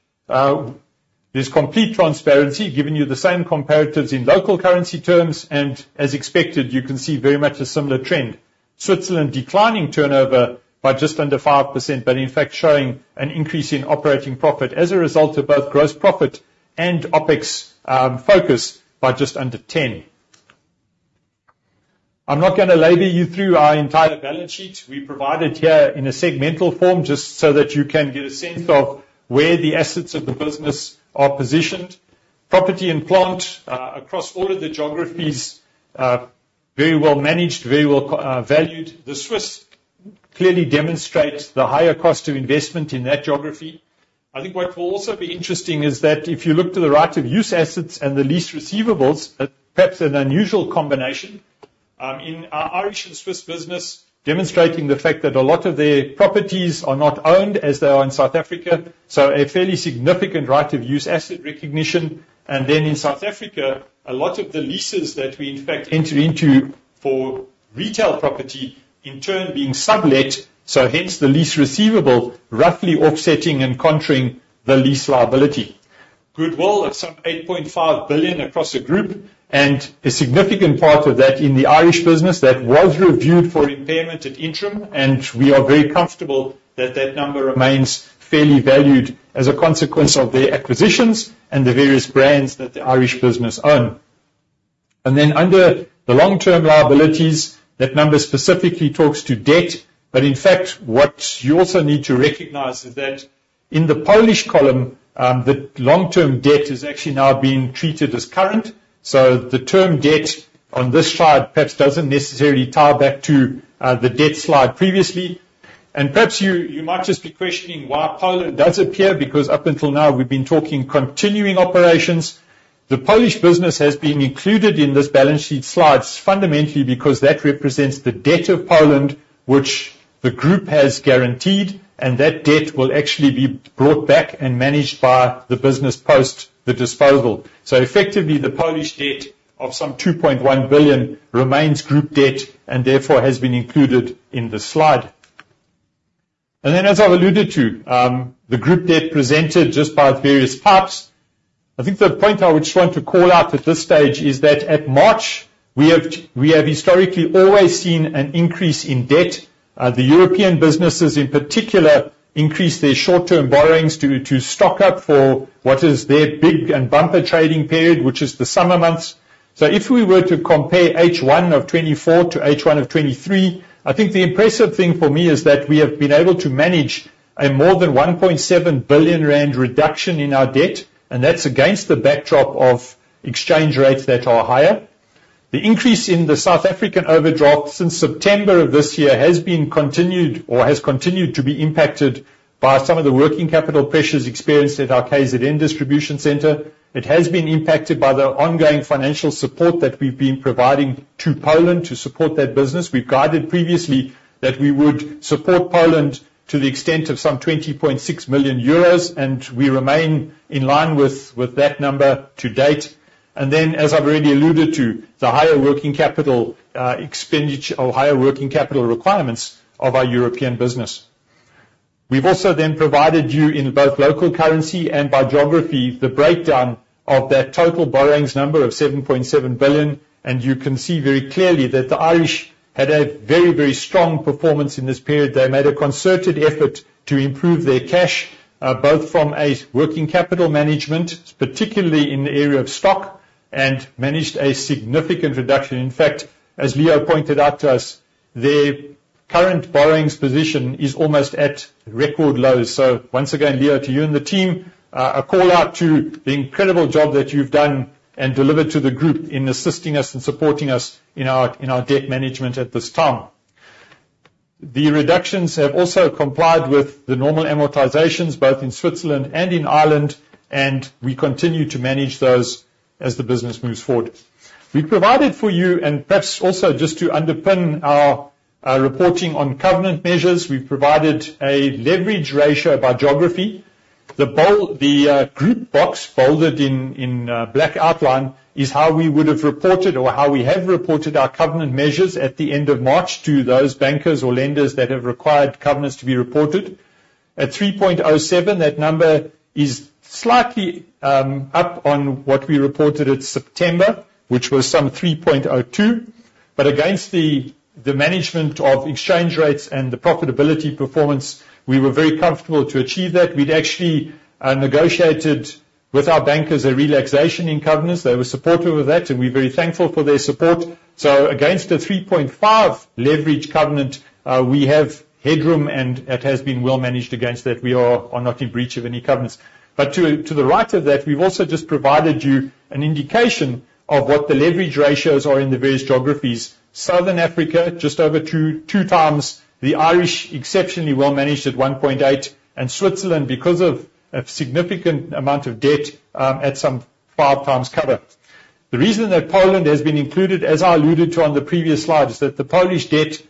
S3: there's complete transparency, given you the same comparatives in local currency terms, and as expected, you can see very much a similar trend. Switzerland declining turnover by just under 5%, but in fact, showing an increase in operating profit as a result of both gross profit and OpEx focus by just under 10%. I'm not going to walk you through our entire balance sheet. We provide it here in a segmental form just so that you can get a sense of where the assets of the business are positioned. Property and plant across all of the geographies, very well managed, very well valued. The Swiss clearly demonstrate the higher cost of investment in that geography. I think what will also be interesting is that if you look to the right of use assets and the lease receivables, perhaps an unusual combination, in Irish and Swiss business demonstrating the fact that a lot of their properties are not owned as they are in South Africa, so a fairly significant right of use asset recognition, and then in South Africa, a lot of the leases that we in fact enter into for retail property in turn being sublet, so hence the lease receivable roughly offsetting and countering the lease liability. Goodwill of some 8.5 billion across the group, and a significant part of that in the Irish business that was reviewed for impairment at interim, and we are very comfortable that that number remains fairly valued as a consequence of their acquisitions and the various brands that the Irish business owns. And then under the long-term liabilities, that number specifically talks to debt, but in fact, what you also need to recognize is that in the Polish column, the long-term debt has actually now been treated as current, so the term debt on this slide perhaps doesn't necessarily tie back to the debt slide previously. And perhaps you might just be questioning why Poland does appear, because up until now, we've been talking continuing operations. The Polish business has been included in this balance sheet slides fundamentally because that represents the debt of Poland, which the group has guaranteed, and that debt will actually be brought back and managed by the business post the disposal. So effectively, the Polish debt of some 2.1 billion remains group debt and therefore has been included in the slide. And then as I've alluded to, the group debt presented just by various parts. I think the point I would just want to call out at this stage is that at March, we have historically always seen an increase in debt. The European businesses in particular increased their short-term borrowings to stock up for what is their big and bumper trading period, which is the summer months. So if we were to compare H1 of 2024 to H1 of 2023, I think the impressive thing for me is that we have been able to manage a more than 1.7 billion rand reduction in our debt, and that's against the backdrop of exchange rates that are higher. The increase in the South African overdraft since September of this year has been continued or has continued to be impacted by some of the working capital pressures experienced at our KZN distribution center. It has been impacted by the ongoing financial support that we've been providing to Poland to support that business. We've guided previously that we would support Poland to the extent of some 20.6 million euros, and we remain in line with that number to date. And then, as I've already alluded to, the higher working capital expenditure or higher working capital requirements of our European business. We've also then provided you in both local currency and by geography the breakdown of that total borrowings number of 7.7 billion, and you can see very clearly that the Irish had a very, very strong performance in this period. They made a concerted effort to improve their cash, both from a working capital management, particularly in the area of stock, and managed a significant reduction. In fact, as Leo pointed out to us, their current borrowings position is almost at record lows. So once again, Leo, to you and the team, a call out to the incredible job that you've done and delivered to the group in assisting us and supporting us in our debt management at this time. The reductions have also complied with the normal amortizations both in Switzerland and in Ireland, and we continue to manage those as the business moves forward. We've provided for you, and perhaps also just to underpin our reporting on covenant measures, we've provided a leverage ratio by geography. The group box bolded in black outline is how we would have reported or how we have reported our covenant measures at the end of March to those bankers or lenders that have required covenants to be reported. At 3.07, that number is slightly up on what we reported at September, which was some 3.02, but against the management of exchange rates and the profitability performance, we were very comfortable to achieve that. We'd actually negotiated with our bankers a relaxation in covenants. They were supportive of that, and we're very thankful for their support. So against the 3.5 leverage covenant, we have headroom, and it has been well managed against that. We are not in breach of any covenants. But to the right of that, we've also just provided you an indication of what the leverage ratios are in the various geographies. Southern Africa, just over two times, the Irish exceptionally well managed at 1.8, and Switzerland, because of a significant amount of debt, at some five times cover. The reason that Poland has been included, as I alluded to on the previous slide, is that the Polish debt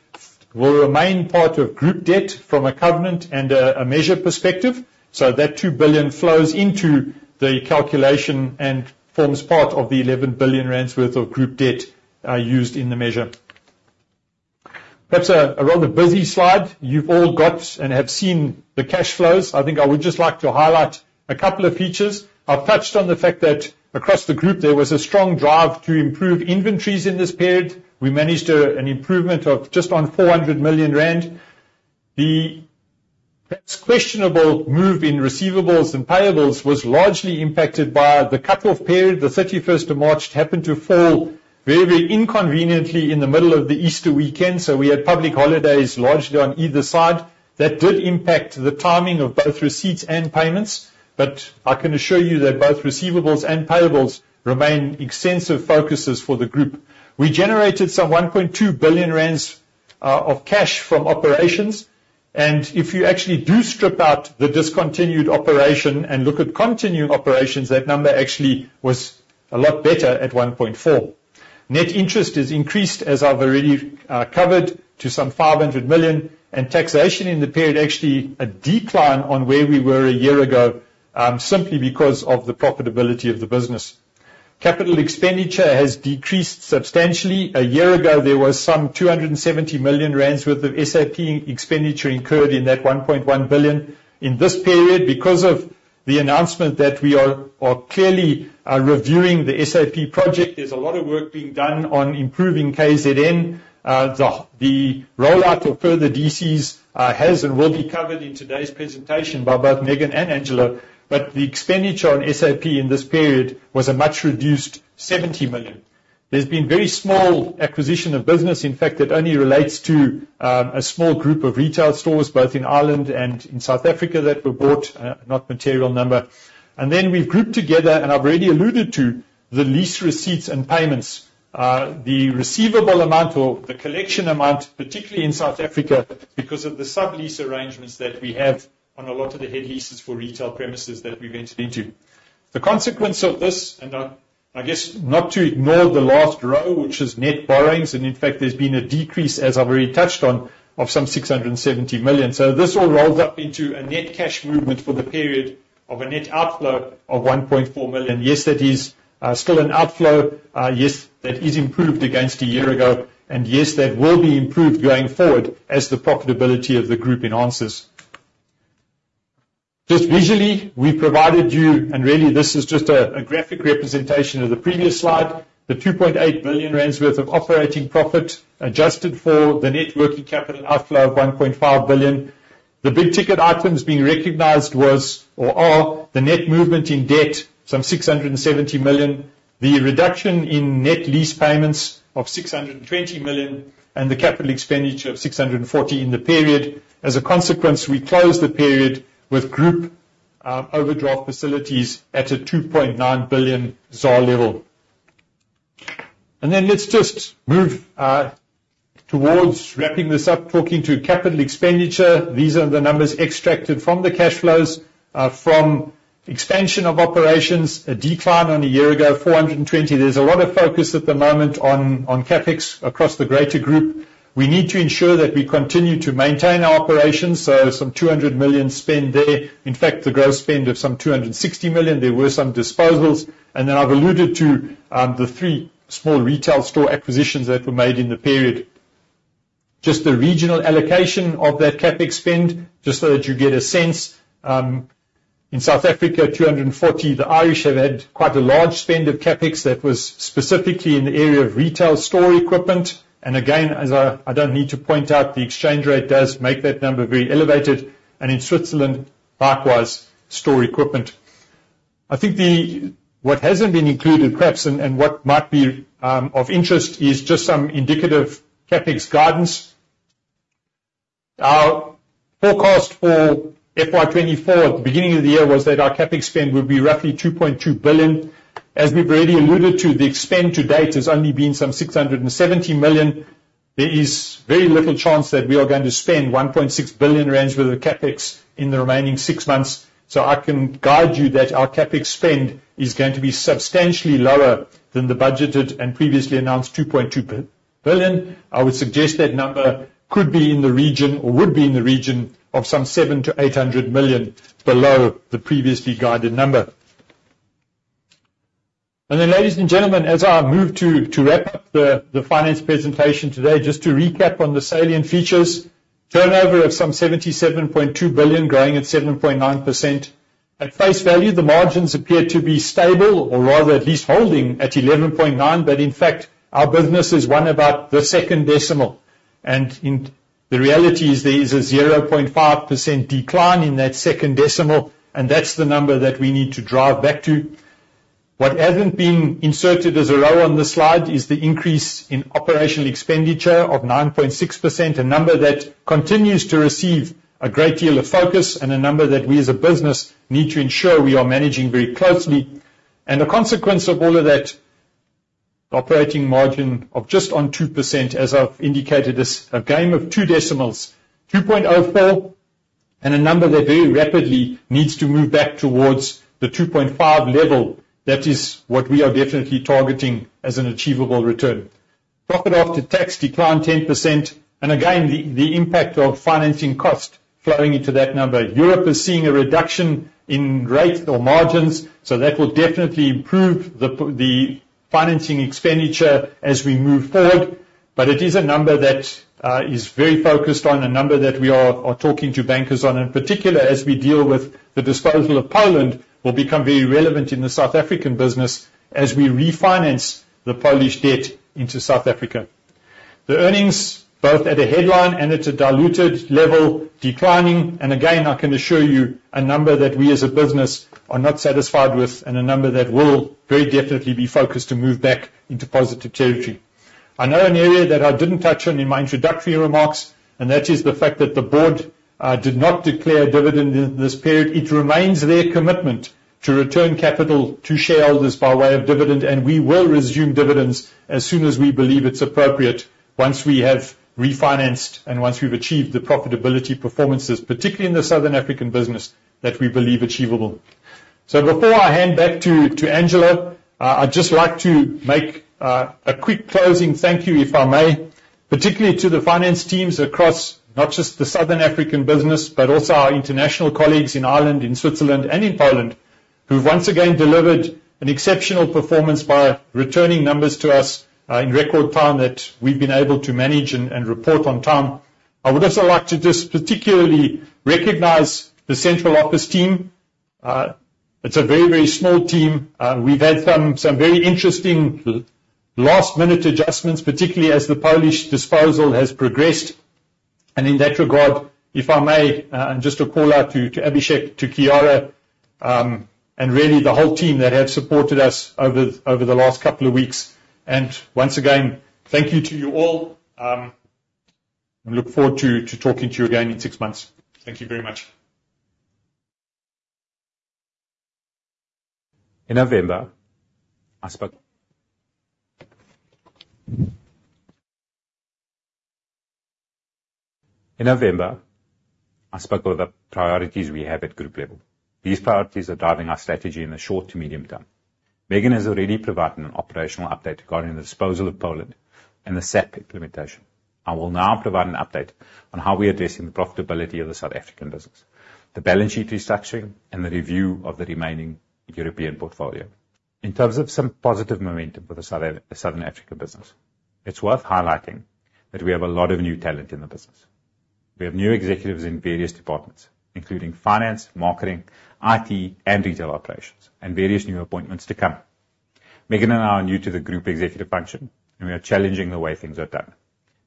S3: will remain part of group debt from a covenant and a measure perspective, so that 2 billion flows into the calculation and forms part of the 11 billion rand worth of group debt used in the measure. That's a rather busy slide. You've all got and have seen the cash flows. I think I would just like to highlight a couple of features. I've touched on the fact that across the group, there was a strong drive to improve inventories in this period. We managed an improvement of just under 400 million rand. The perhaps questionable move in receivables and payables was largely impacted by the cutoff period. The 31st of March happened to fall very, very inconveniently in the middle of the Easter weekend, so we had public holidays largely on either side. That did impact the timing of both receipts and payments, but I can assure you that both receivables and payables remain extensive focuses for the group. We generated some 1.2 billion rand of cash from operations, and if you actually do strip out the discontinued operation and look at continuing operations, that number actually was a lot better at 1.4 billion. Net interest has increased, as I've already covered, to some 500 million, and taxation in the period actually a decline on where we were a year ago, simply because of the profitability of the business. Capital Expenditure has decreased substantially. A year ago, there was some 270 million rand worth of SAP expenditure incurred in that 1.1 billion. In this period, because of the announcement that we are clearly reviewing the SAP project, there's a lot of work being done on improving KZN. The rollout of further DCs has and will be covered in today's presentation by both Megan and Angelo, but the expenditure on SAP in this period was a much reduced 70 million. There's been very small acquisition of business. In fact, it only relates to a small group of retail stores, both in Ireland and in South Africa, that were bought, not material number. And then we've grouped together, and I've already alluded to the lease receipts and payments, the receivable amount or the collection amount, particularly in South Africa, because of the sub-lease arrangements that we have on a lot of the head leases for retail premises that we've entered into. The consequence of this, and I guess not to ignore the last row, which is net borrowings, and in fact, there's been a decrease, as I've already touched on, of 670 million. So this all rolled up into a net cash movement for the period of a net outflow of 1.4 billion. Yes, that is still an outflow. Yes, that is improved against a year ago, and yes, that will be improved going forward as the profitability of the group enhances. Just visually, we've provided you, and really, this is just a graphic representation of the previous slide, the 2.8 billion rand worth of operating profit adjusted for the net working capital outflow of 1.5 billion. The big ticket items being recognized was, or are, the net movement in debt, some 670 million, the reduction in net lease payments of 620 million, and the capital expenditure of 640 million in the period. As a consequence, we closed the period with group overdraft facilities at a 2.9 billion level. And then let's just move towards wrapping this up, talking to capital expenditure. These are the numbers extracted from the cash flows from expansion of operations, a decline on a year ago, 420 million. There's a lot of focus at the moment on CapEx across the greater group. We need to ensure that we continue to maintain our operations, so some 200 million spend there. In fact, the gross spend of some 260 million. There were some disposals, and then I've alluded to the three small retail store acquisitions that were made in the period. Just the regional allocation of that CapEx spend, just so that you get a sense. In South Africa, 240 million. The Irish have had quite a large spend of CapEx that was specifically in the area of retail store equipment. And again, as I don't need to point out, the exchange rate does make that number very elevated, and in Switzerland, likewise, store equipment. I think what hasn't been included, perhaps, and what might be of interest, is just some indicative CapEx guidance. Our forecast for FY24 at the beginning of the year was that our CapEx spend would be roughly 2.2 billion. As we've already alluded to, the expenditure to date has only been 670 million. There is very little chance that we are going to spend 1.6 billion rand worth of CapEx in the remaining six months. So I can guide you that our CapEx spend is going to be substantially lower than the budgeted and previously announced 2.2 billion. I would suggest that number could be in the region or would be in the region of some 700 to 800 million below the previously guided number. And then, ladies and gentlemen, as I move to wrap up the finance presentation today, just to recap on the salient features, turnover of 77.2 billion, growing at 7.9%. At face value, the margins appear to be stable, or rather at least holding at 11.9%, but in fact, our business has won about the second decimal. The reality is there is a 0.5% decline in that second decimal, and that's the number that we need to drive back to. What hasn't been inserted as a row on the slide is the increase in operational expenditure of 9.6%, a number that continues to receive a great deal of focus and a number that we, as a business, need to ensure we are managing very closely. A consequence of all of that, the operating margin of just under 2%, as I've indicated, is a game of two decimals, 2.04, and a number that very rapidly needs to move back towards the 2.5 level. That is what we are definitely targeting as an achievable return. Profit after tax declined 10%, and again, the impact of financing costs flowing into that number. Europe is seeing a reduction in rates or margins, so that will definitely improve the financing expenditure as we move forward, but it is a number that is very focused on, a number that we are talking to bankers on. In particular, as we deal with the disposal of Poland, it will become very relevant in the South African business as we refinance the Polish debt into South Africa. The earnings, both at a headline and at a diluted level, are declining, and again, I can assure you a number that we, as a business, are not satisfied with and a number that will very definitely be focused to move back into positive territory. I know an area that I didn't touch on in my introductory remarks, and that is the fact that the board did not declare dividend in this period. It remains our commitment to return capital to shareholders by way of dividend, and we will resume dividends as soon as we believe it's appropriate, once we have refinanced and once we've achieved the profitability performances, particularly in the Southern African business, that we believe achievable. So before I hand back to Angelo, I'd just like to make a quick closing thank you, if I may, particularly to the finance teams across not just the Southern African business, but also our international colleagues in Ireland, in Switzerland, and in Poland, who've once again delivered an exceptional performance by returning numbers to us in record time that we've been able to manage and report on time. I would also like to just particularly recognize the central office team. It's a very, very small team. We've had some very interesting last-minute adjustments, particularly as the Polish disposal has progressed. And in that regard, if I may, and just a call out to Abhishek to Kiyaara and really the whole team that have supported us over the last couple of weeks. And once again, thank you to you all, and look forward to talking to you again in six months. Thank you very much.
S1: In November, I spoke of the priorities we have at group level. These priorities are driving our strategy in the short to medium term. Megan has already provided an operational update regarding the disposal of Poland and the SAP implementation. I will now provide an update on how we are addressing the profitability of the South African business, the balance sheet restructuring, and the review of the remaining European portfolio. In terms of some positive momentum for the Southern African business, it's worth highlighting that we have a lot of new talent in the business. We have new executives in various departments, including finance, marketing, IT, and retail operations, and various new appointments to come. Megan and I are new to the group executive function, and we are challenging the way things are done.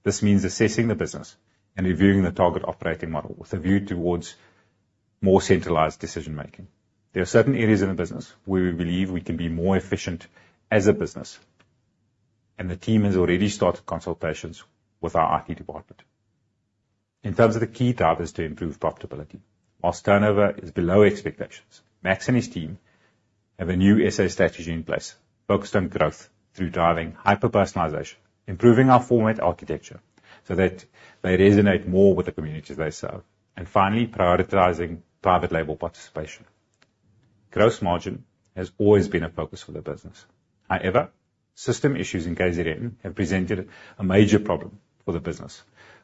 S1: This means assessing the business and reviewing the target operating model with a view towards more centralized decision-making. There are certain areas in the business where we believe we can be more efficient as a business, and the team has already started consultations with our IT department. In terms of the key drivers to improve profitability, while turnover is below expectations, Max and his team have a new SA strategy in place focused on growth through driving hyper-personalization, improving our format architecture so that they resonate more with the communities they serve, and finally, prioritizing private label participation. Gross margin has always been a focus for the business. However, system issues in KZN have presented a major problem for the business,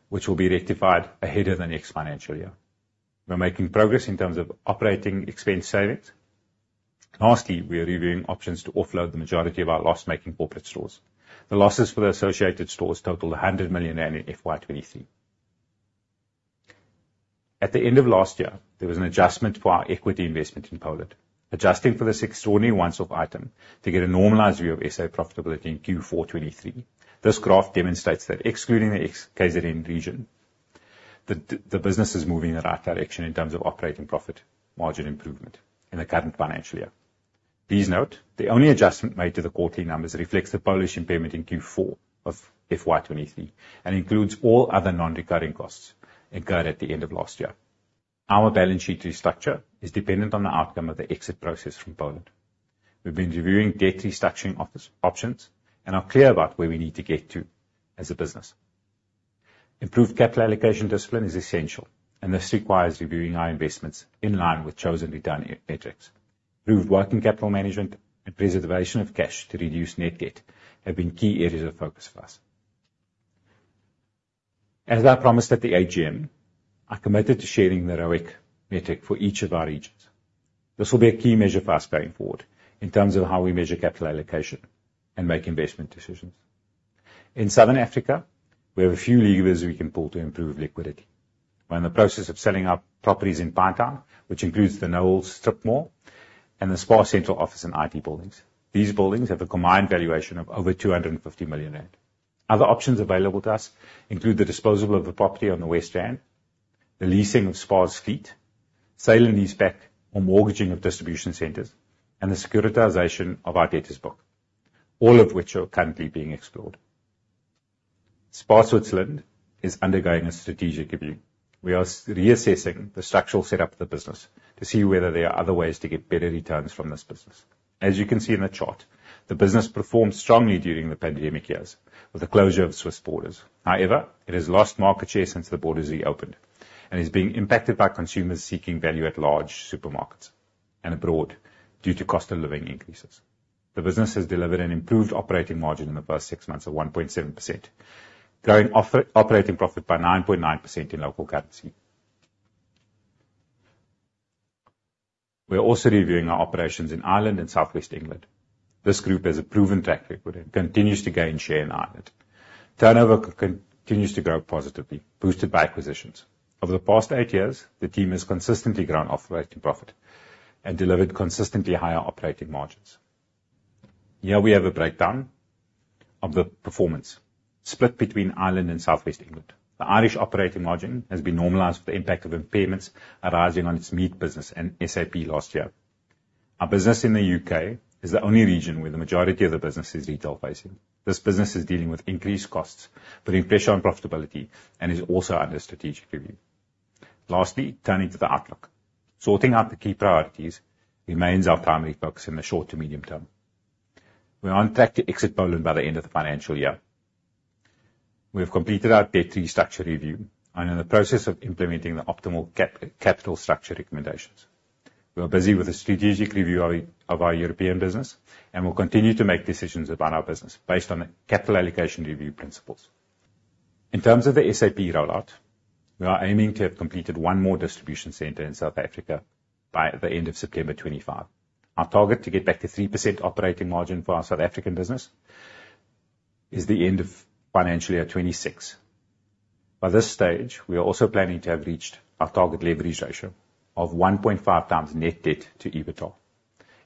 S1: which will be rectified ahead of the next financial year. We're making progress in terms of operating expense savings. Lastly, we are reviewing options to offload the majority of our loss-making corporate stores. The losses for the associated stores total 100 million in FY23. At the end of last year, there was an adjustment for our equity investment in Poland. Adjusting for this extraordinary one-off item to get a normalized view of SA profitability in Q4 2023, this graph demonstrates that excluding the KZN region, the business is moving in the right direction in terms of operating profit margin improvement in the current financial year. Please note, the only adjustment made to the quarterly numbers reflects the Polish impairment in Q4 of FY23 and includes all other non-recurring costs incurred at the end of last year. Our balance sheet restructure is dependent on the outcome of the exit process from Poland. We've been reviewing debt restructuring options and are clear about where we need to get to as a business. Improved capital allocation discipline is essential, and this requires reviewing our investments in line with chosen return metrics. Improved working capital management and preservation of cash to reduce net debt have been key areas of focus for us. As I promised at the AGM, I committed to sharing the ROIC metric for each of our regions. This will be a key measure for us going forward in terms of how we measure capital allocation and make investment decisions. In Southern Africa, we have a few levers we can pull to improve liquidity. We're in the process of selling our properties in Pinetown, which includes the Knowles Strip mall and the SPAR Central office and IT buildings. These buildings have a combined valuation of over 250 million rand. Other options available to us include the disposal of the property on the West Rand, the leasing of SPAR's fleet, sale and leaseback or mortgaging of distribution centers, and the securitization of our debtor's book, all of which are currently being explored. SPAR Switzerland is undergoing a strategic review. We are reassessing the structural setup of the business to see whether there are other ways to get better returns from this business. As you can see in the chart, the business performed strongly during the pandemic years with the closure of Swiss borders. However, it has lost market share since the borders reopened and is being impacted by consumers seeking value at large supermarkets and abroad due to cost of living increases. The business has delivered an improved operating margin in the first six months of 1.7%, growing operating profit by 9.9% in local currency. We're also reviewing our operations in Ireland and Southwest England. This group has a proven track record and continues to gain share in Ireland. Turnover continues to grow positively, boosted by acquisitions. Over the past eight years, the team has consistently grown operating profit and delivered consistently higher operating margins. Here we have a breakdown of the performance split between Ireland and Southwest England. The Irish operating margin has been normalized with the impact of impairments arising on its meat business and SAP last year. Our business in the U.K. is the only region where the majority of the business is retail facing. This business is dealing with increased costs, putting pressure on profitability, and is also under strategic review. Lastly, turning to the outlook, sorting out the key priorities remains our primary focus in the short to medium term. We're on track to exit Poland by the end of the financial year. We have completed our debt restructure review and are in the process of implementing the optimal capital structure recommendations. We are busy with a strategic review of our European business and will continue to make decisions about our business based on the capital allocation review principles. In terms of the SAP rollout, we are aiming to have completed one more distribution center in South Africa by the end of September 2025. Our target to get back to 3% operating margin for our South African business is the end of financial year 2026. By this stage, we are also planning to have reached our target leverage ratio of 1.5 times net debt to EBITDA,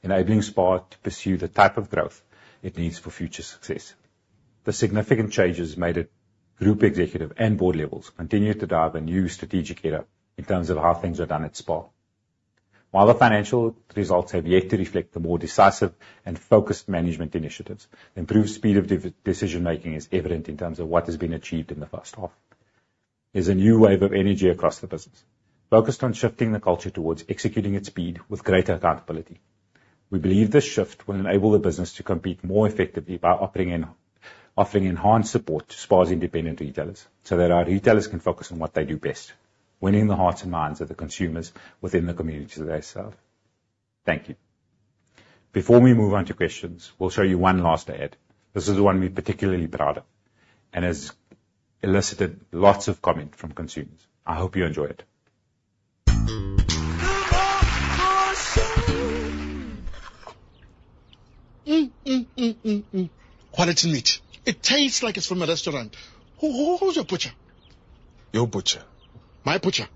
S1: enabling SPAR to pursue the type of growth it needs for future success. The significant changes made at group executive and board levels continue to drive a new strategic era in terms of how things are done at SPAR. While the financial results have yet to reflect the more decisive and focused management initiatives, improved speed of decision-making is evident in terms of what has been achieved in the first half. There's a new wave of energy across the business, focused on shifting the culture towards executing at speed with greater accountability. We believe this shift will enable the business to compete more effectively by offering enhanced support to SPAR's independent retailers so that our retailers can focus on what they do best, winning the hearts and minds of the consumers within the communities that they serve. Thank you. Before we move on to questions, we'll show you one last ad. This is the one we've particularly prided on and has elicited lots of comments from consumers. I hope you enjoy it. Quality meat. It tastes like it's from a restaurant. Who's your butcher? Your butcher. My butcher?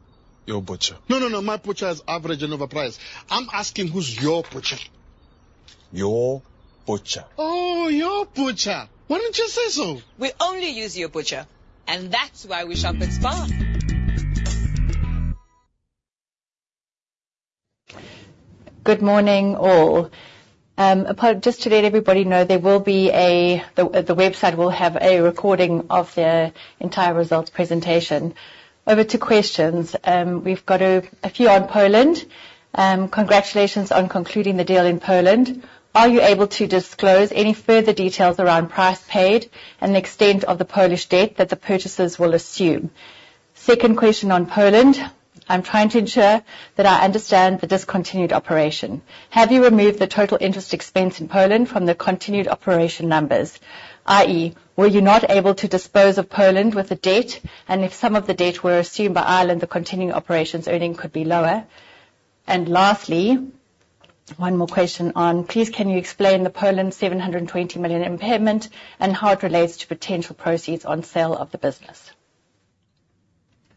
S1: Your butcher. No, no, no. My butcher is average and overpriced. I'm asking who's your butcher? Your butcher. Oh, your butcher. Why don't you say so? We only use your butcher, and that's why we shop at SPAR.
S4: Good morning, all. Just to let everybody know, the website will have a recording of their entire results presentation. Over to questions. We've got a few on Poland. Congratulations on concluding the deal in Poland. Are you able to disclose any further details around price paid and the extent of the Polish debt that the purchasers will assume? Second question on Poland. I'm trying to ensure that I understand the discontinued operation. Have you removed the total interest expense in Poland from the continued operation numbers, i.e., were you not able to dispose of Poland with the debt, and if some of the debt were assumed by Ireland, the continued operations earning could be lower? And lastly, one more question on, please, can you explain the Poland 720 million impairment and how it relates to potential proceeds on sale of the business?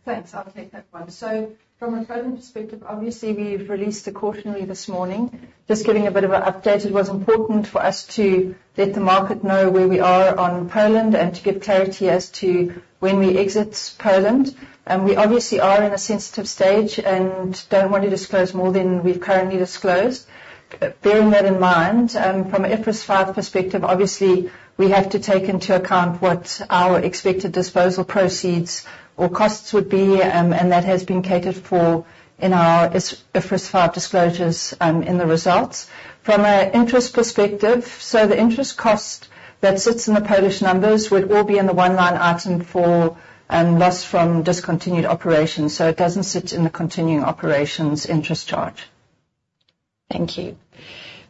S2: Thanks. I'll take that one. So from a Poland perspective, obviously, we've released a cautionary this morning, just giving a bit of an update. It was important for us to let the market know where we are on Poland and to give clarity as to when we exit Poland. We obviously are in a sensitive stage and don't want to disclose more than we've currently disclosed. Bearing that in mind, from an IFRS 5 perspective, obviously, we have to take into account what our expected disposal proceeds or costs would be, and that has been catered for in our IFRS 5 disclosures in the results. From an interest perspective, so the interest cost that sits in the Polish numbers would all be in the one-line item for loss from discontinued operations, so it doesn't sit in the continuing operations interest charge.
S4: Thank you.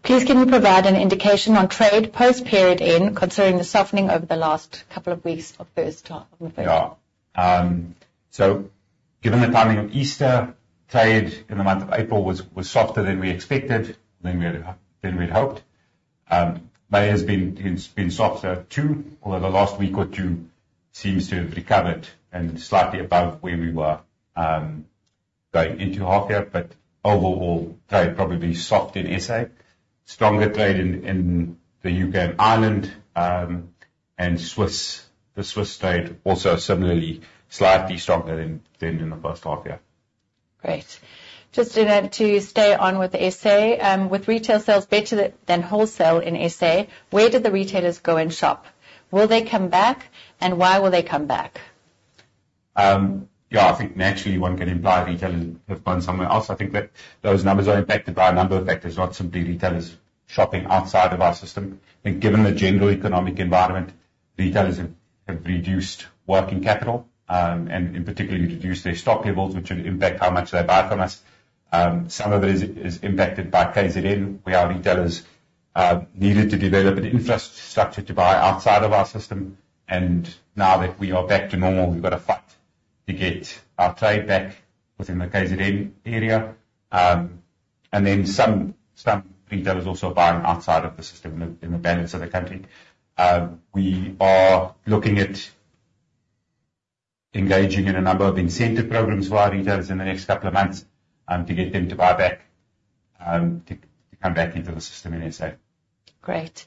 S4: Please, can you provide an indication on trade post-period end, considering the softening over the last couple of weeks of the first half of November?
S1: Yeah. So given the timing of Easter, trade in the month of April was softer than we expected, than we had hoped. May has been softer too, although the last week or two seems to have recovered and slightly above where we were going into half year, but overall, trade probably soft in SA. Stronger trade in the U.K. and Ireland, and the Swiss trade also similarly slightly stronger than in the first half year.
S4: Great. Just to stay on with SA, with retail sales better than wholesale in SA, where did the retailers go and shop? Will they come back, and why will they come back?
S1: Yeah, I think naturally, one can imply retailers have gone somewhere else. I think that those numbers are impacted by a number of factors, not simply retailers shopping outside of our system. I think given the general economic environment, retailers have reduced working capital and in particular reduced their stock levels, which would impact how much they buy from us. Some of it is impacted by KZN, where our retailers needed to develop an infrastructure to buy outside of our system. And now that we are back to normal, we've got to fight to get our trade back within the KZN area. And then some retailers also are buying outside of the system in the balance of the country. We are looking at engaging in a number of incentive programs for our retailers in the next couple of months to get them to buy back, to come back into the system in SA.
S4: Great.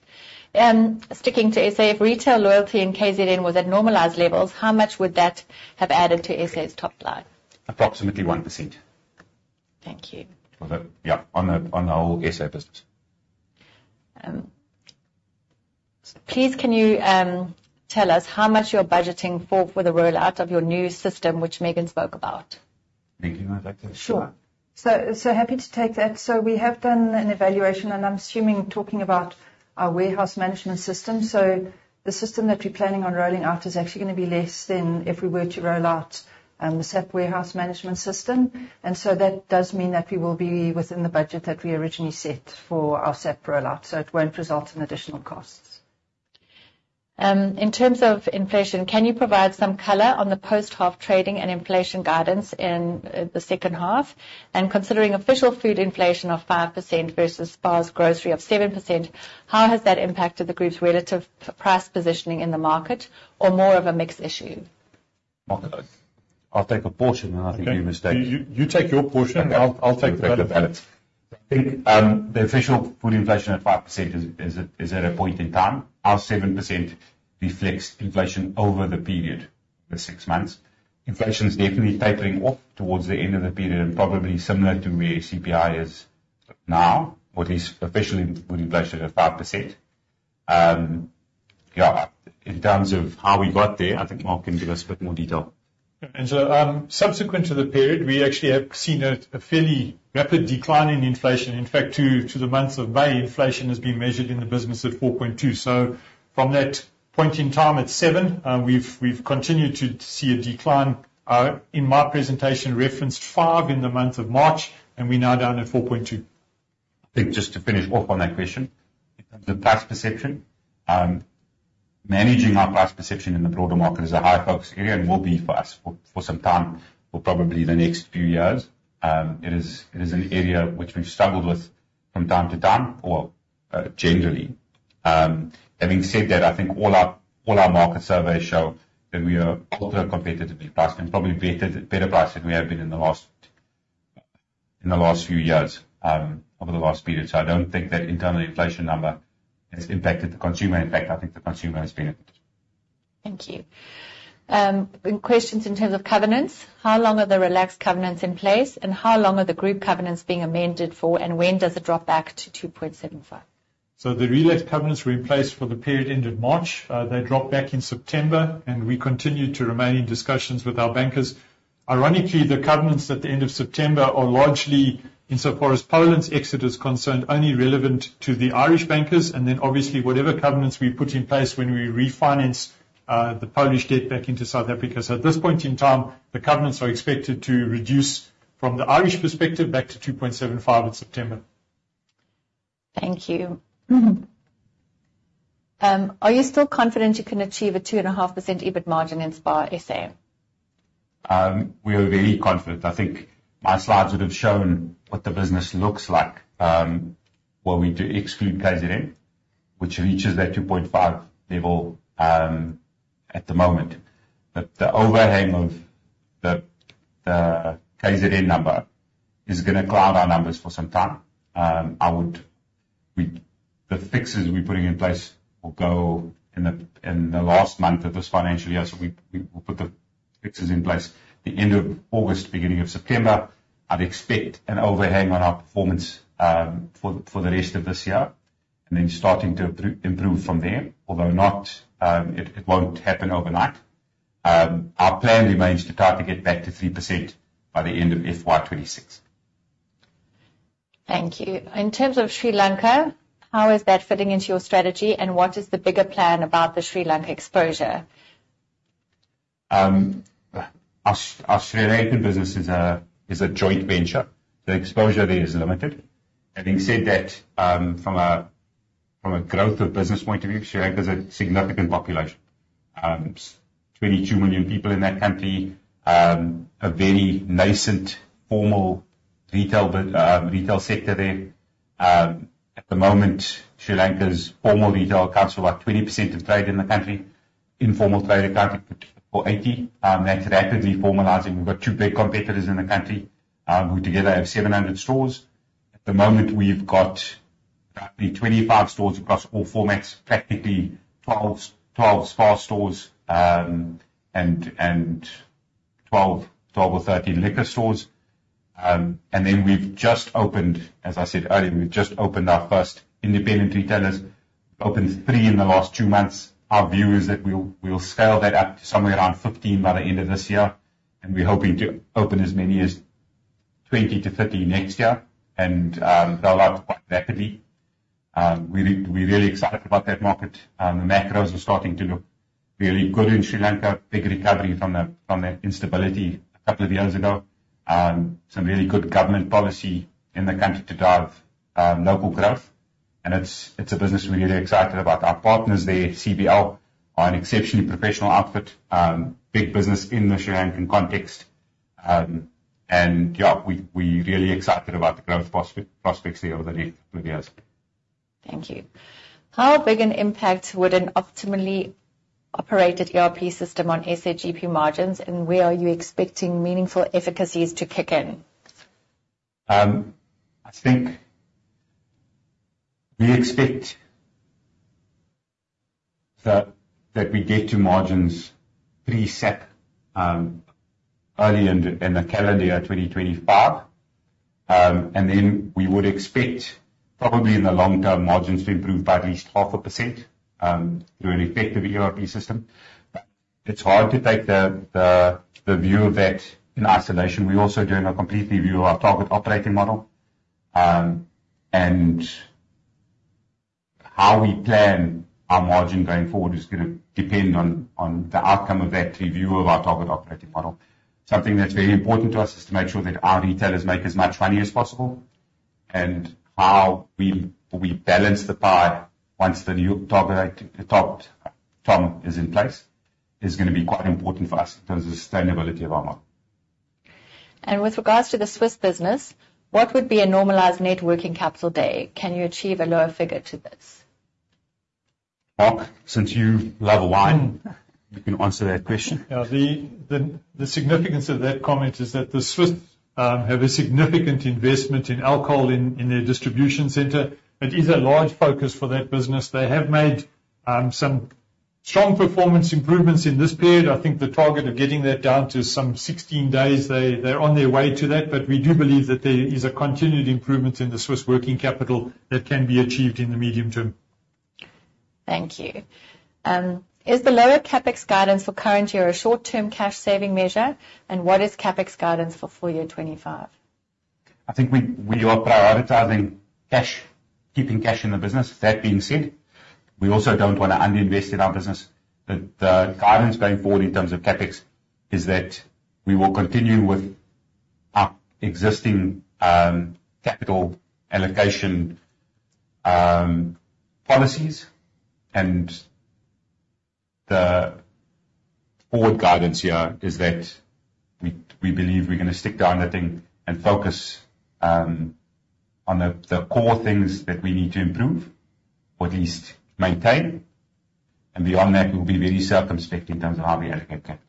S4: Sticking to SA, if retail loyalty in KZN was at normalized levels, how much would that have added to SA's top line?
S1: Approximately 1%.
S4: Thank you.
S1: Yeah, on the whole SA business.
S4: Please, can you tell us how much you're budgeting for the rollout of your new system, which Megan spoke about?
S1: Megan, I'd like you to.
S2: Sure. So happy to take that. So we have done an evaluation, and I'm assuming talking about our warehouse management system. So the system that we're planning on rolling out is actually going to be less than if we were to roll out the SAP warehouse management system. And so that does mean that we will be within the budget that we originally set for our SAP rollout, so it won't result in additional costs.
S4: In terms of inflation, can you provide some color on the post-half trading and inflation guidance in the second half? And considering official food inflation of 5% versus SPAR's grocery of 7%, how has that impacted the group's relative price positioning in the market, or more of a mixed issue?
S1: I'll take a portion, and I think you mistake it.
S3: You take your portion. I'll take the better part.
S1: I think the official food inflation at 5% is at a point in time. Our 7% reflects inflation over the period, the six months. Inflation is definitely tapering off towards the end of the period and probably similar to where CPI is now, what is official food inflation at 5%. Yeah, in terms of how we got there, I think Mark can give us a bit more detail.
S3: Subsequent to the period, we actually have seen a fairly rapid decline in inflation. In fact, up to the month of May, inflation has been measured in the business at 4.2%. So from that point in time at 7%, we've continued to see a decline. In my presentation, I referenced 5% in the month of March, and we're now down at 4.2%.
S1: I think just to finish off on that question, in terms of price perception, managing our price perception in the broader market is a high-focus area and will be for us for some time, for probably the next few years. It is an area which we've struggled with from time to time, or generally. Having said that, I think all our market surveys show that we are ultra-competitively priced and probably better priced than we have been in the last few years over the last period. So I don't think that internal inflation number has impacted the consumer. In fact, I think the consumer has benefited.
S4: Thank you. Questions in terms of covenants. How long are the relaxed covenants in place, and how long are the group covenants being amended for, and when does it drop back to 2.75?
S3: So the relaxed covenants were in place for the period end of March. They dropped back in September, and we continue to remain in discussions with our bankers. Ironically, the covenants at the end of September are largely, insofar as Poland's exit is concerned, only relevant to the Irish bankers, and then obviously whatever covenants we put in place when we refinance the Polish debt back into South Africa. So at this point in time, the covenants are expected to reduce from the Irish perspective back to 2.75 in September.
S4: Thank you. Are you still confident you can achieve a 2.5% EBIT margin in SPAR SA?
S1: We are very confident. I think my slides would have shown what the business looks like when we exclude KZN, which reaches that 2.5% level at the moment. The overhang of the KZN number is going to cloud our numbers for some time. The fixes we're putting in place will go in the last month of this financial year. So we will put the fixes in place at the end of August, beginning of September. I'd expect an overhang on our performance for the rest of this year and then starting to improve from there, although it won't happen overnight. Our plan remains to try to get back to 3% by the end of FY 2026.
S4: Thank you. In terms of Sri Lanka, how is that fitting into your strategy, and what is the bigger plan about the Sri Lanka exposure?
S1: Our Sri Lanka business is a joint venture. The exposure there is limited. Having said that, from a growth of business point of view, Sri Lanka is a significant population. Twenty-two million people in that country, a very nascent formal retail sector there. At the moment, Sri Lanka's formal retail accounts for about 20% of trade in the country. Informal trade accounted for 80. That's rapidly formalizing. We've got two big competitors in the country who together have 700 stores. At the moment, we've got roughly 25 stores across all formats, practically 12 SPAR stores and 12 or 13 liquor stores. And then we've just opened, as I said earlier, we've just opened our first independent retailers. We've opened three in the last two months. Our view is that we'll scale that up to somewhere around 15 by the end of this year, and we're hoping to open as many as 20 to 30 next year, and they'll open quite rapidly. We're really excited about that market. The macros are starting to look really good in Sri Lanka, big recovery from that instability a couple of years ago, some really good government policy in the country to drive local growth. And it's a business we're really excited about. Our partners there, CBL, are an exceptionally professional outfit, big business in the Sri Lankan context. And yeah, we're really excited about the growth prospects there over the next couple of years.
S4: Thank you. How big an impact would an optimally operated ERP system on SA GP margins, and where are you expecting meaningful efficiencies to kick in?
S1: I think we expect that we get to margins pre-SAP early in the calendar year 2025, and then we would expect probably in the long term margins to improve by at least 0.5% through an effective ERP system. It's hard to take the view of that in isolation. We also don't completely view our target operating model, and how we plan our margin going forward is going to depend on the outcome of that review of our target operating model. Something that's very important to us is to make sure that our retailers make as much money as possible, and how we balance the pie once the new target op is in place is going to be quite important for us in terms of sustainability of our market,
S4: and with regards to the Swiss business, what would be a normalized net working capital days? Can you achieve a lower figure to this?
S1: Mark, since you love wine, you can answer that question?
S3: The significance of that comment is that the Swiss have a significant investment in alcohol in their distribution center. It is a large focus for that business. They have made some strong performance improvements in this period. I think the target of getting that down to some 16 days, they're on their way to that, but we do believe that there is a continued improvement in the Swiss working capital that can be achieved in the medium term.
S4: Thank you. Is the lower CapEx guidance for current year a short-term cash-saving measure, and what is CapEx guidance for full year 2025?
S1: I think we are prioritizing cash, keeping cash in the business. That being said, we also don't want to underinvest in our business. The guidance going forward in terms of CapEx is that we will continue with our existing capital allocation policies, and the forward guidance here is that we believe we're going to stick to the knitting and focus on the core things that we need to improve or at least maintain, and beyond that, we'll be very circumspect in terms of how we allocate capital.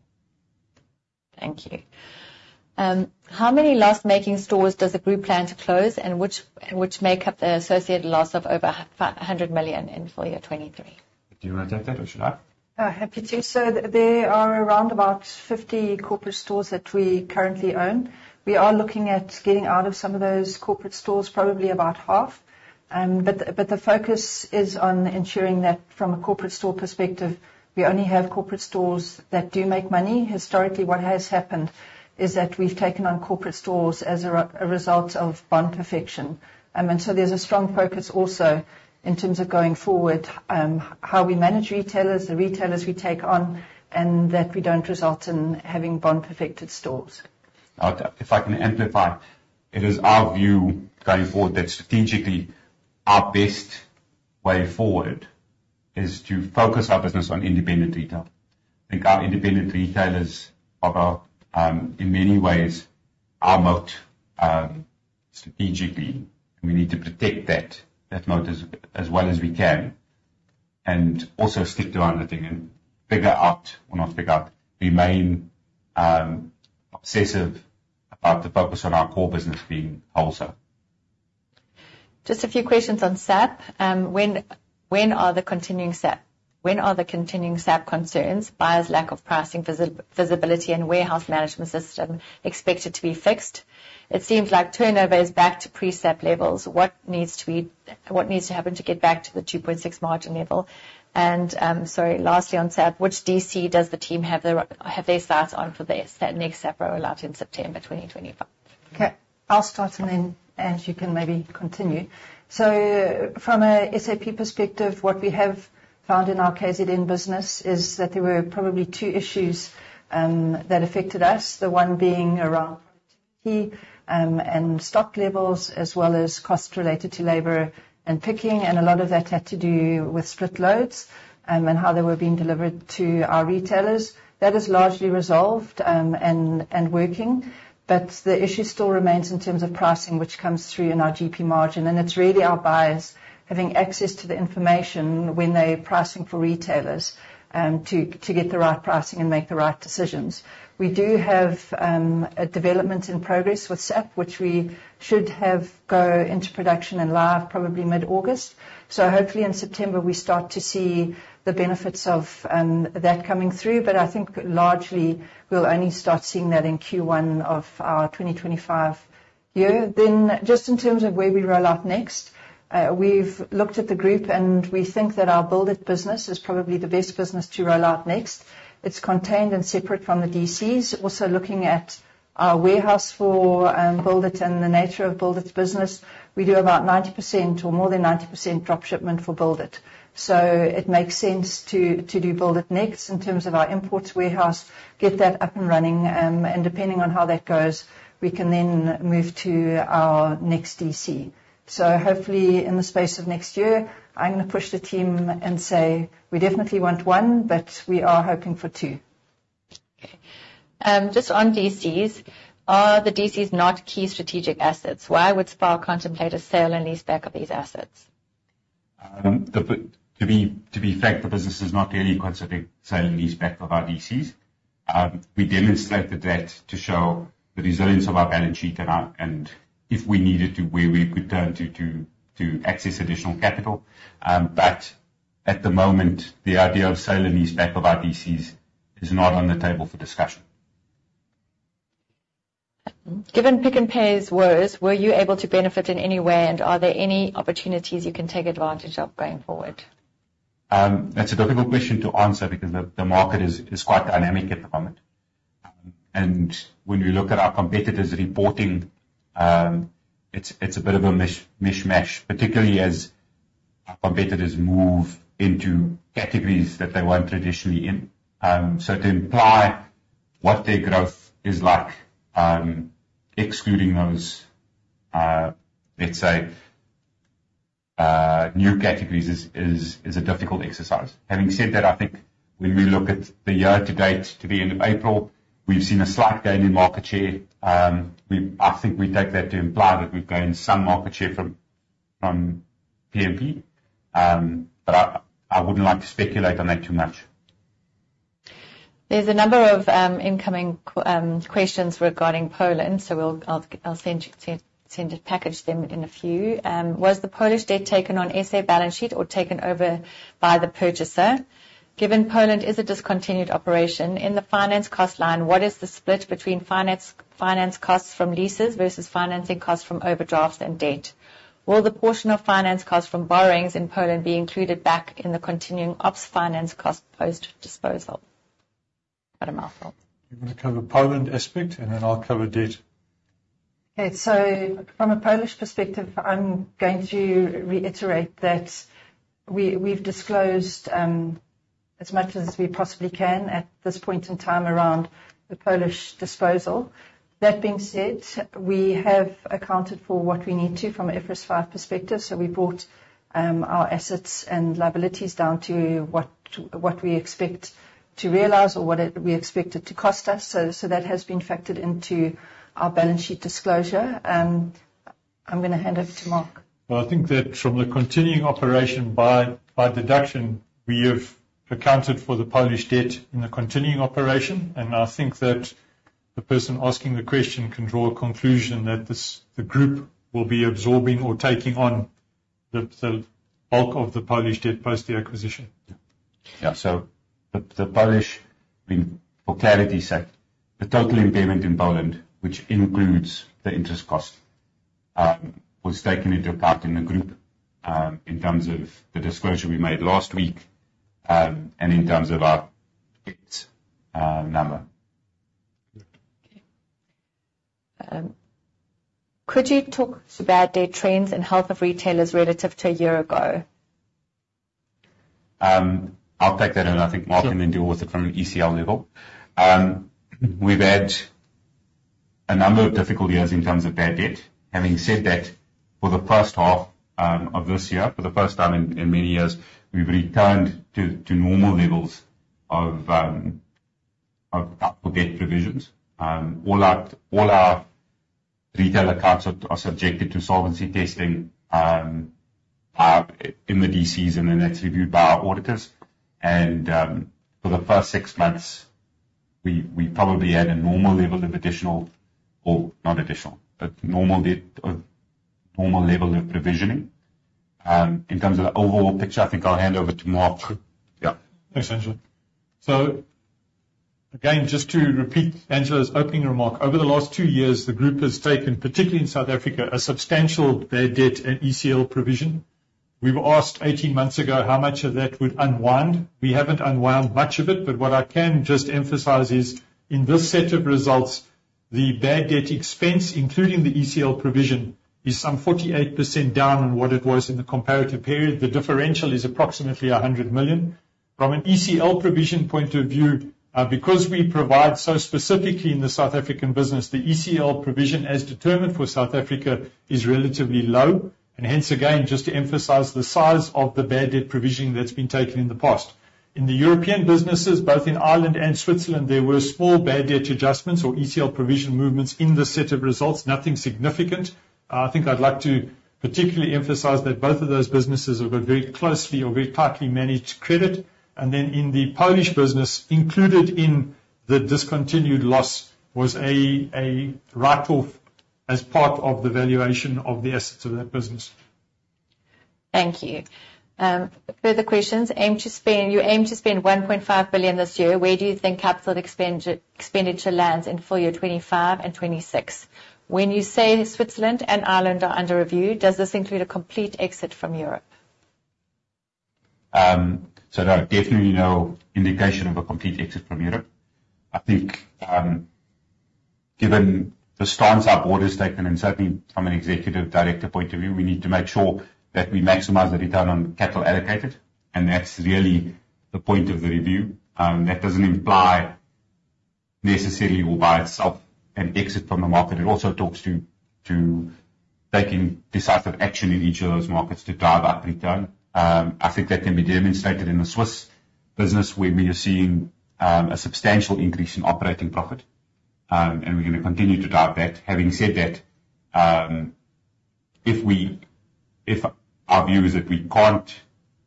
S4: Thank you. How many loss-making stores does the group plan to close, and which make up the associated loss of over 100 million in full year 2023?
S1: Do you want to take that, or should I?
S2: Happy to. So there are around about 50 corporate stores that we currently own. We are looking at getting out of some of those corporate stores, probably about half, but the focus is on ensuring that from a corporate store perspective, we only have corporate stores that do make money. Historically, what has happened is that we've taken on corporate stores as a result of bond perfection. And so there's a strong focus also in terms of going forward, how we manage retailers, the retailers we take on, and that we don't result in having bond-perfected stores.
S1: If I can amplify, it is our view going forward that strategically our best way forward is to focus our business on independent retail. I think our independent retailers are in many ways our moat strategically, and we need to protect that moat as well as we can and also stick to our knitting and figure out, or not figure out, remain obsessive about the focus on our core business being wholesale.
S4: Just a few questions on SAP. When are the continuing SAP concerns, buyer's lack of pricing visibility, and warehouse management system expected to be fixed? It seems like turnover is back to pre-SAP levels. What needs to happen to get back to the 2.6 margin level? And sorry, lastly on SAP, which DC does the team have their starts on for their next SAP rollout in September 2025?
S2: Okay. I'll start, and then Ange, you can maybe continue. So from an SAP perspective, what we have found in our KZN business is that there were probably two issues that affected us, the one being around productivity and stock levels, as well as costs related to labor and picking, and a lot of that had to do with split loads and how they were being delivered to our retailers. That is largely resolved and working, but the issue still remains in terms of pricing, which comes through in our GP margin, and it's really our buyers having access to the information when they're pricing for retailers to get the right pricing and make the right decisions. We do have a development in progress with SAP, which we should have go into production and live probably mid-August. So hopefully in September, we start to see the benefits of that coming through, but I think largely we'll only start seeing that in Q1 of our 2025 year. Then just in terms of where we roll out next, we've looked at the group, and we think that our Build it business is probably the best business to roll out next. It's contained and separate from the DCs. Also looking at our warehouse for Build it and the nature of Build it's business, we do about 90% or more than 90% drop shipment for Build it. So it makes sense to do Build it next in terms of our imports warehouse, get that up and running, and depending on how that goes, we can then move to our next DC. So hopefully in the space of next year, I'm going to push the team and say we definitely want one, but we are hoping for two.
S4: Okay. Just on DCs, are the DCs not key strategic assets? Why would SPAR contemplate a sale and lease back of these assets?
S1: To be fair, the business is not really considering selling and leasing back of our DCs. We demonstrated that to show the resilience of our balance sheet and if we needed to, where we could turn to access additional capital. But at the moment, the idea of sale and lease back of our DCs is not on the table for discussion.
S4: Given Pick n Pay's words, were you able to benefit in any way, and are there any opportunities you can take advantage of going forward?
S1: That's a difficult question to answer because the market is quite dynamic at the moment. And when we look at our competitors reporting, it's a bit of a mishmash, particularly as our competitors move into categories that they weren't traditionally in. So to imply what their growth is like, excluding those, let's say, new categories is a difficult exercise. Having said that, I think when we look at the year to date to the end of April, we've seen a slight gain in market share. I think we take that to imply that we've gained some market share from PnP, but I wouldn't like to speculate on that too much.
S4: There's a number of incoming questions regarding Poland, so I'll send you to package them in a few. Was the Polish debt taken on SA balance sheet or taken over by the purchaser? Given Poland is a discontinued operation, in the finance cost line, what is the split between finance costs from leases versus financing costs from overdrafts and debt? Will the portion of finance costs from borrowings in Poland be included back in the continuing ops finance cost post-disposal?
S3: You're going to cover Poland aspect, and then I'll cover debt.
S2: Okay. So from a Polish perspective, I'm going to reiterate that we've disclosed as much as we possibly can at this point in time around the Polish disposal. That being said, we have accounted for what we need to from an IFRS 5 perspective, so we brought our assets and liabilities down to what we expect to realize or what we expect it to cost us. So that has been factored into our balance sheet disclosure. I'm going to hand it to Mark.
S3: Well, I think that from the continuing operation by deduction, we have accounted for the Polish debt in the continuing operation, and I think that the person asking the question can draw a conclusion that the group will be absorbing or taking on the bulk of the Polish debt post the acquisition.
S1: Yeah. So for clarity's sake, the total impairment in Poland, which includes the interest cost, was taken into account in the group in terms of the disclosure we made last week and in terms of our debt number.
S4: Okay. Could you talk to bad debt trends and health of retailers relative to a year ago?
S1: I'll take that, and I think Mark can then deal with it from an ECL level. We've had a number of difficult years in terms of bad debt. Having said that, for the first half of this year, for the first time in many years, we've returned to normal levels of debt provisions. All our retail accounts are subjected to solvency testing in the DCs, and then that's reviewed by our auditors and for the first six months, we probably had a normal level of additional, or not additional, but normal level of provisioning. In terms of the overall picture, I think I'll hand over to Mark. Yeah.
S3: Thanks, Angelo. So again, just to repeat Angelo's opening remark, over the last two years, the group has taken, particularly in South Africa, a substantial bad debt and ECL provision. We were asked 18 months ago how much of that would unwind. We haven't unwound much of it, but what I can just emphasize is in this set of results, the bad debt expense, including the ECL provision, is some 48% down than what it was in the comparative period. The differential is approximately 100 million. From an ECL provision point of view, because we provide so specifically in the South African business, the ECL provision as determined for South Africa is relatively low. And hence again, just to emphasize the size of the bad debt provisioning that's been taken in the past. In the European businesses, both in Ireland and Switzerland, there were small bad debt adjustments or ECL provision movements in the set of results, nothing significant. I think I'd like to particularly emphasize that both of those businesses have a very closely or very tightly managed credit. And then in the Polish business, included in the discontinued loss was a write-off as part of the valuation of the assets of that business.
S4: Thank you. Further questions. You aim to spend 1.5 billion this year. Where do you think capital expenditure lands in full year 2025 and 2026? When you say Switzerland and Ireland are under review, does this include a complete exit from Europe?
S1: So there are definitely no indication of a complete exit from Europe. I think given the stance our board has taken, and certainly from an executive director point of view, we need to make sure that we maximize the return on capital allocated, and that's really the point of the review. That doesn't imply necessarily or by itself an exit from the market. It also talks to taking decisive action in each of those markets to drive up return. I think that can be demonstrated in the Swiss business, where we are seeing a substantial increase in operating profit, and we're going to continue to drive that. Having said that, if our view is that we can't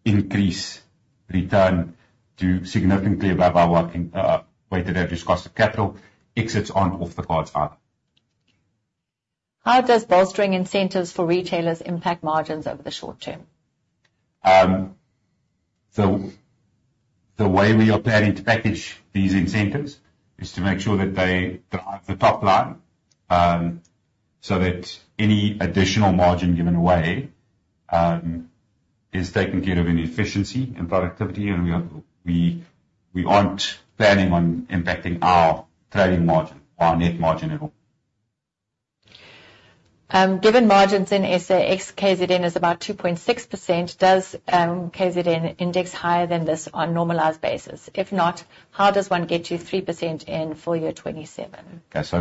S1: increase return to significantly above our weighted average cost of capital, exits aren't off the cards either.
S4: How does bolstering incentives for retailers impact margins over the short term?
S1: So the way we are planning to package these incentives is to make sure that they drive the top line so that any additional margin given away is taken care of in efficiency and productivity, and we aren't planning on impacting our trading margin or our net margin at all.
S4: Given margins in SA, KZN is about 2.6%. Does KZN index higher than this on a normalized basis? If not, how does one get to 3% in full year 2027?
S1: Okay. So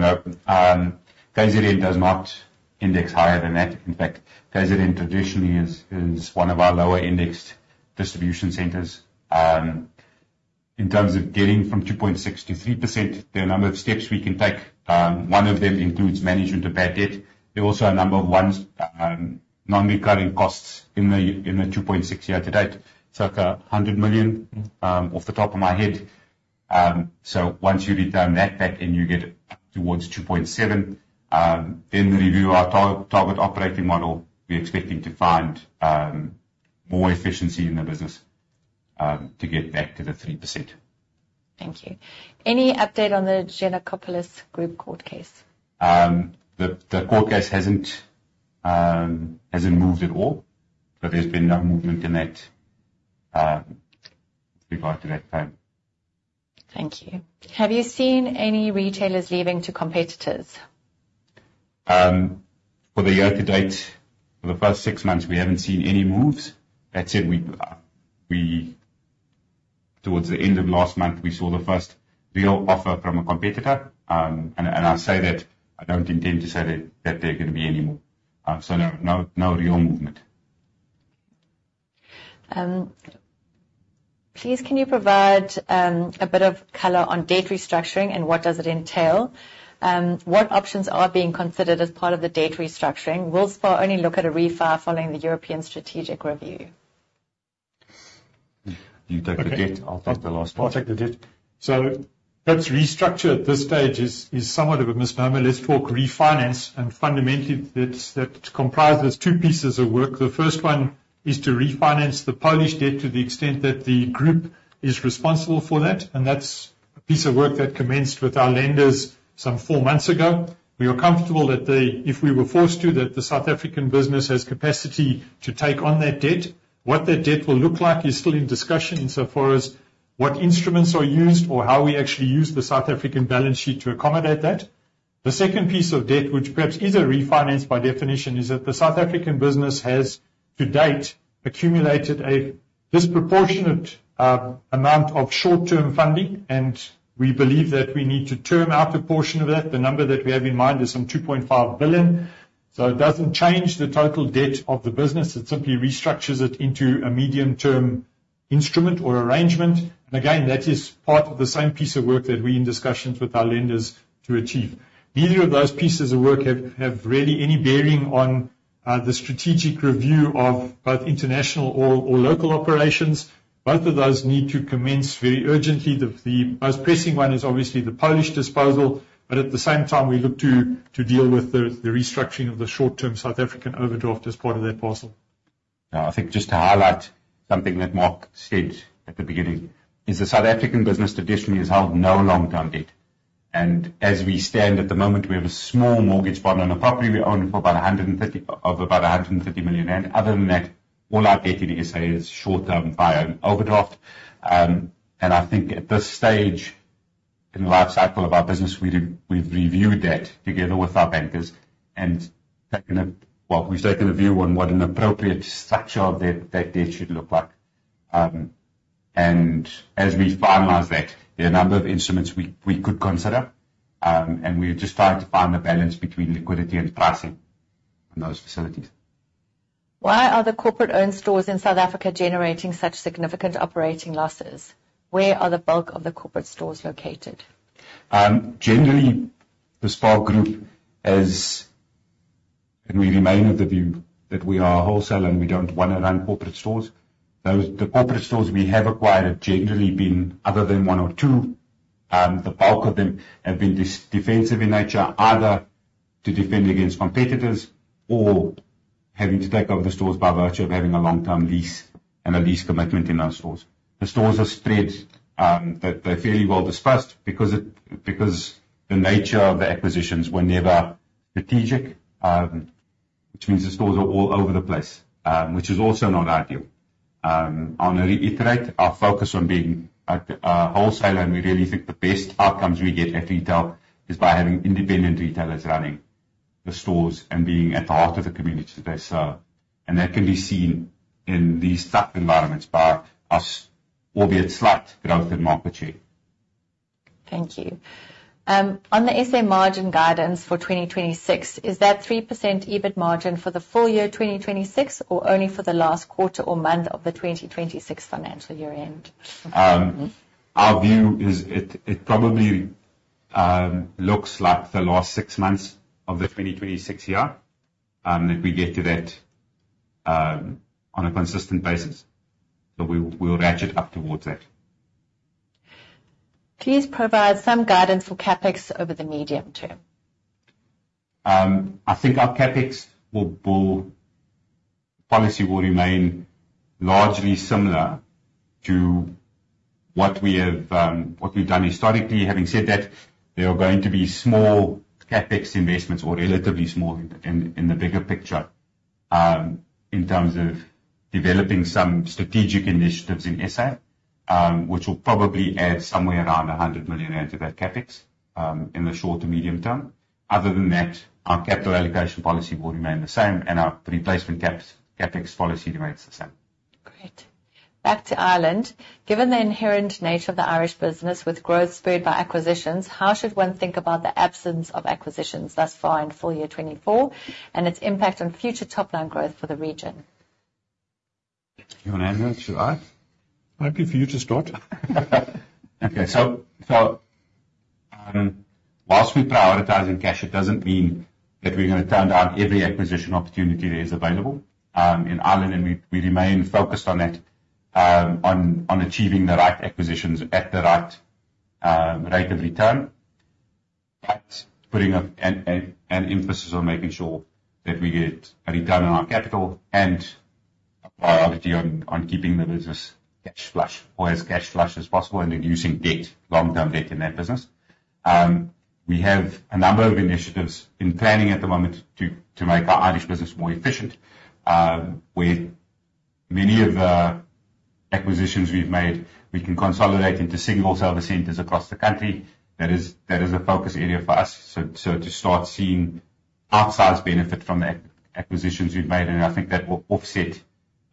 S1: KZN does not index higher than that. In fact, KZN traditionally is one of our lower indexed distribution centers. In terms of getting from 2.6% to 3%, there are a number of steps we can take. One of them includes management of bad debt. There are also a number of non-recurring costs in the 2.6% year to date, circa 100 million off the top of my head. So once you return that back and you get up towards 2.7, in the review of our target operating model, we're expecting to find more efficiency in the business to get back to the 3%.
S4: Thank you. Any update on the Giannacopoulos Group court case?
S1: The court case hasn't moved at all, but there's been no movement in that with regard to that claim.
S4: Thank you. Have you seen any retailers leaving to competitors?
S1: For the year to date, for the first six months, we haven't seen any moves. That said, towards the end of last month, we saw the first real offer from a competitor, and I say that I don't intend to say that there are going to be any more. So no real movement.
S4: Please, can you provide a bit of color on debt restructuring and what does it entail? What options are being considered as part of the debt restructuring? Will SPAR only look at a refi following the European strategic review?
S1: You take the debt. I'll take the last one.
S3: I'll take the debt. So perhaps restructure at this stage is somewhat of a misnomer. Let's talk refinance, and fundamentally, that comprises two pieces of work. The first one is to refinance the Polish debt to the extent that the group is responsible for that, and that's a piece of work that commenced with our lenders some four months ago. We are comfortable that if we were forced to, that the South African business has capacity to take on that debt. What that debt will look like is still in discussion insofar as what instruments are used or how we actually use the South African balance sheet to accommodate that. The second piece of debt, which perhaps is a refinance by definition, is that the South African business has to date accumulated a disproportionate amount of short-term funding, and we believe that we need to term out a portion of that. The number that we have in mind is some 2.5 billion. So it doesn't change the total debt of the business. It simply restructures it into a medium-term instrument or arrangement. And again, that is part of the same piece of work that we are in discussions with our lenders to achieve. Neither of those pieces of work have really any bearing on the strategic review of both international or local operations. Both of those need to commence very urgently. The most pressing one is obviously the Polish disposal, but at the same time, we look to deal with the restructuring of the short-term South African overdraft as part of that parcel.
S1: I think just to highlight something that Mark said at the beginning is the South African business traditionally has held no long-term debt. As we stand at the moment, we have a small mortgage bond on a property we own for about 130 million rand. Other than that, all our debt in SA is short-term via overdraft. I think at this stage in the life cycle of our business, we've reviewed that together with our bankers and well, we've taken a view on what an appropriate structure of that debt should look like. As we finalize that, there are a number of instruments we could consider, and we're just trying to find the balance between liquidity and pricing on those facilities.
S4: Why are the corporate-owned stores in South Africa generating such significant operating losses? Where are the bulk of the corporate stores located?
S1: Generally, the SPAR Group has—and we remain of the view that we are a wholesaler and we don't want to run corporate stores. The corporate stores we have acquired have generally been other than one or two. The bulk of them have been defensive in nature, either to defend against competitors or having to take over the stores by virtue of having a long-term lease and a lease commitment in those stores. The stores are spread that they're fairly well dispersed because the nature of the acquisitions were never strategic, which means the stores are all over the place, which is also not ideal. I'll reiterate our focus on being a wholesaler, and we really think the best outcomes we get at retail is by having independent retailers running the stores and being at the heart of the community they serve. And that can be seen in these tough environments by us, albeit slight growth in market share.
S4: Thank you. On the SA margin guidance for 2026, is that 3% EBIT margin for the full year 2026 or only for the last quarter or month of the 2026 financial year end?
S1: Our view is it probably looks like the last six months of the 2026 year that we get to that on a consistent basis. So we'll ratchet up towards that.
S4: Please provide some guidance for CapEx over the medium term.
S1: I think our CapEx policy will remain largely similar to what we've done historically. Having said that, there are going to be small CapEx investments or relatively small in the bigger picture in terms of developing some strategic initiatives in SA, which will probably add somewhere around 100 million to that CapEx in the short to medium term. Other than that, our capital allocation policy will remain the same, and our replacement CapEx policy remains the same.
S4: Great. Back to Ireland. Given the inherent nature of the Irish business with growth spurred by acquisitions, how should one think about the absence of acquisitions thus far in full year 2024 and its impact on future top-line growth for the region?
S1: You want to answer it? Should I?
S3: Hopefully, for you to start.
S1: Okay. So while we prioritize in cash, it doesn't mean that we're going to turn down every acquisition opportunity that is available. In Ireland, we remain focused on that, on achieving the right acquisitions at the right rate of return, but putting an emphasis on making sure that we get a return on our capital and priority on keeping the business cash flush or as cash flush as possible and reducing debt, long-term debt in that business. We have a number of initiatives in planning at the moment to make our Irish business more efficient, where many of the acquisitions we've made, we can consolidate into single group report across the country. That is a focus area for us. So, to start seeing outsized benefit from the acquisitions we've made, and I think that will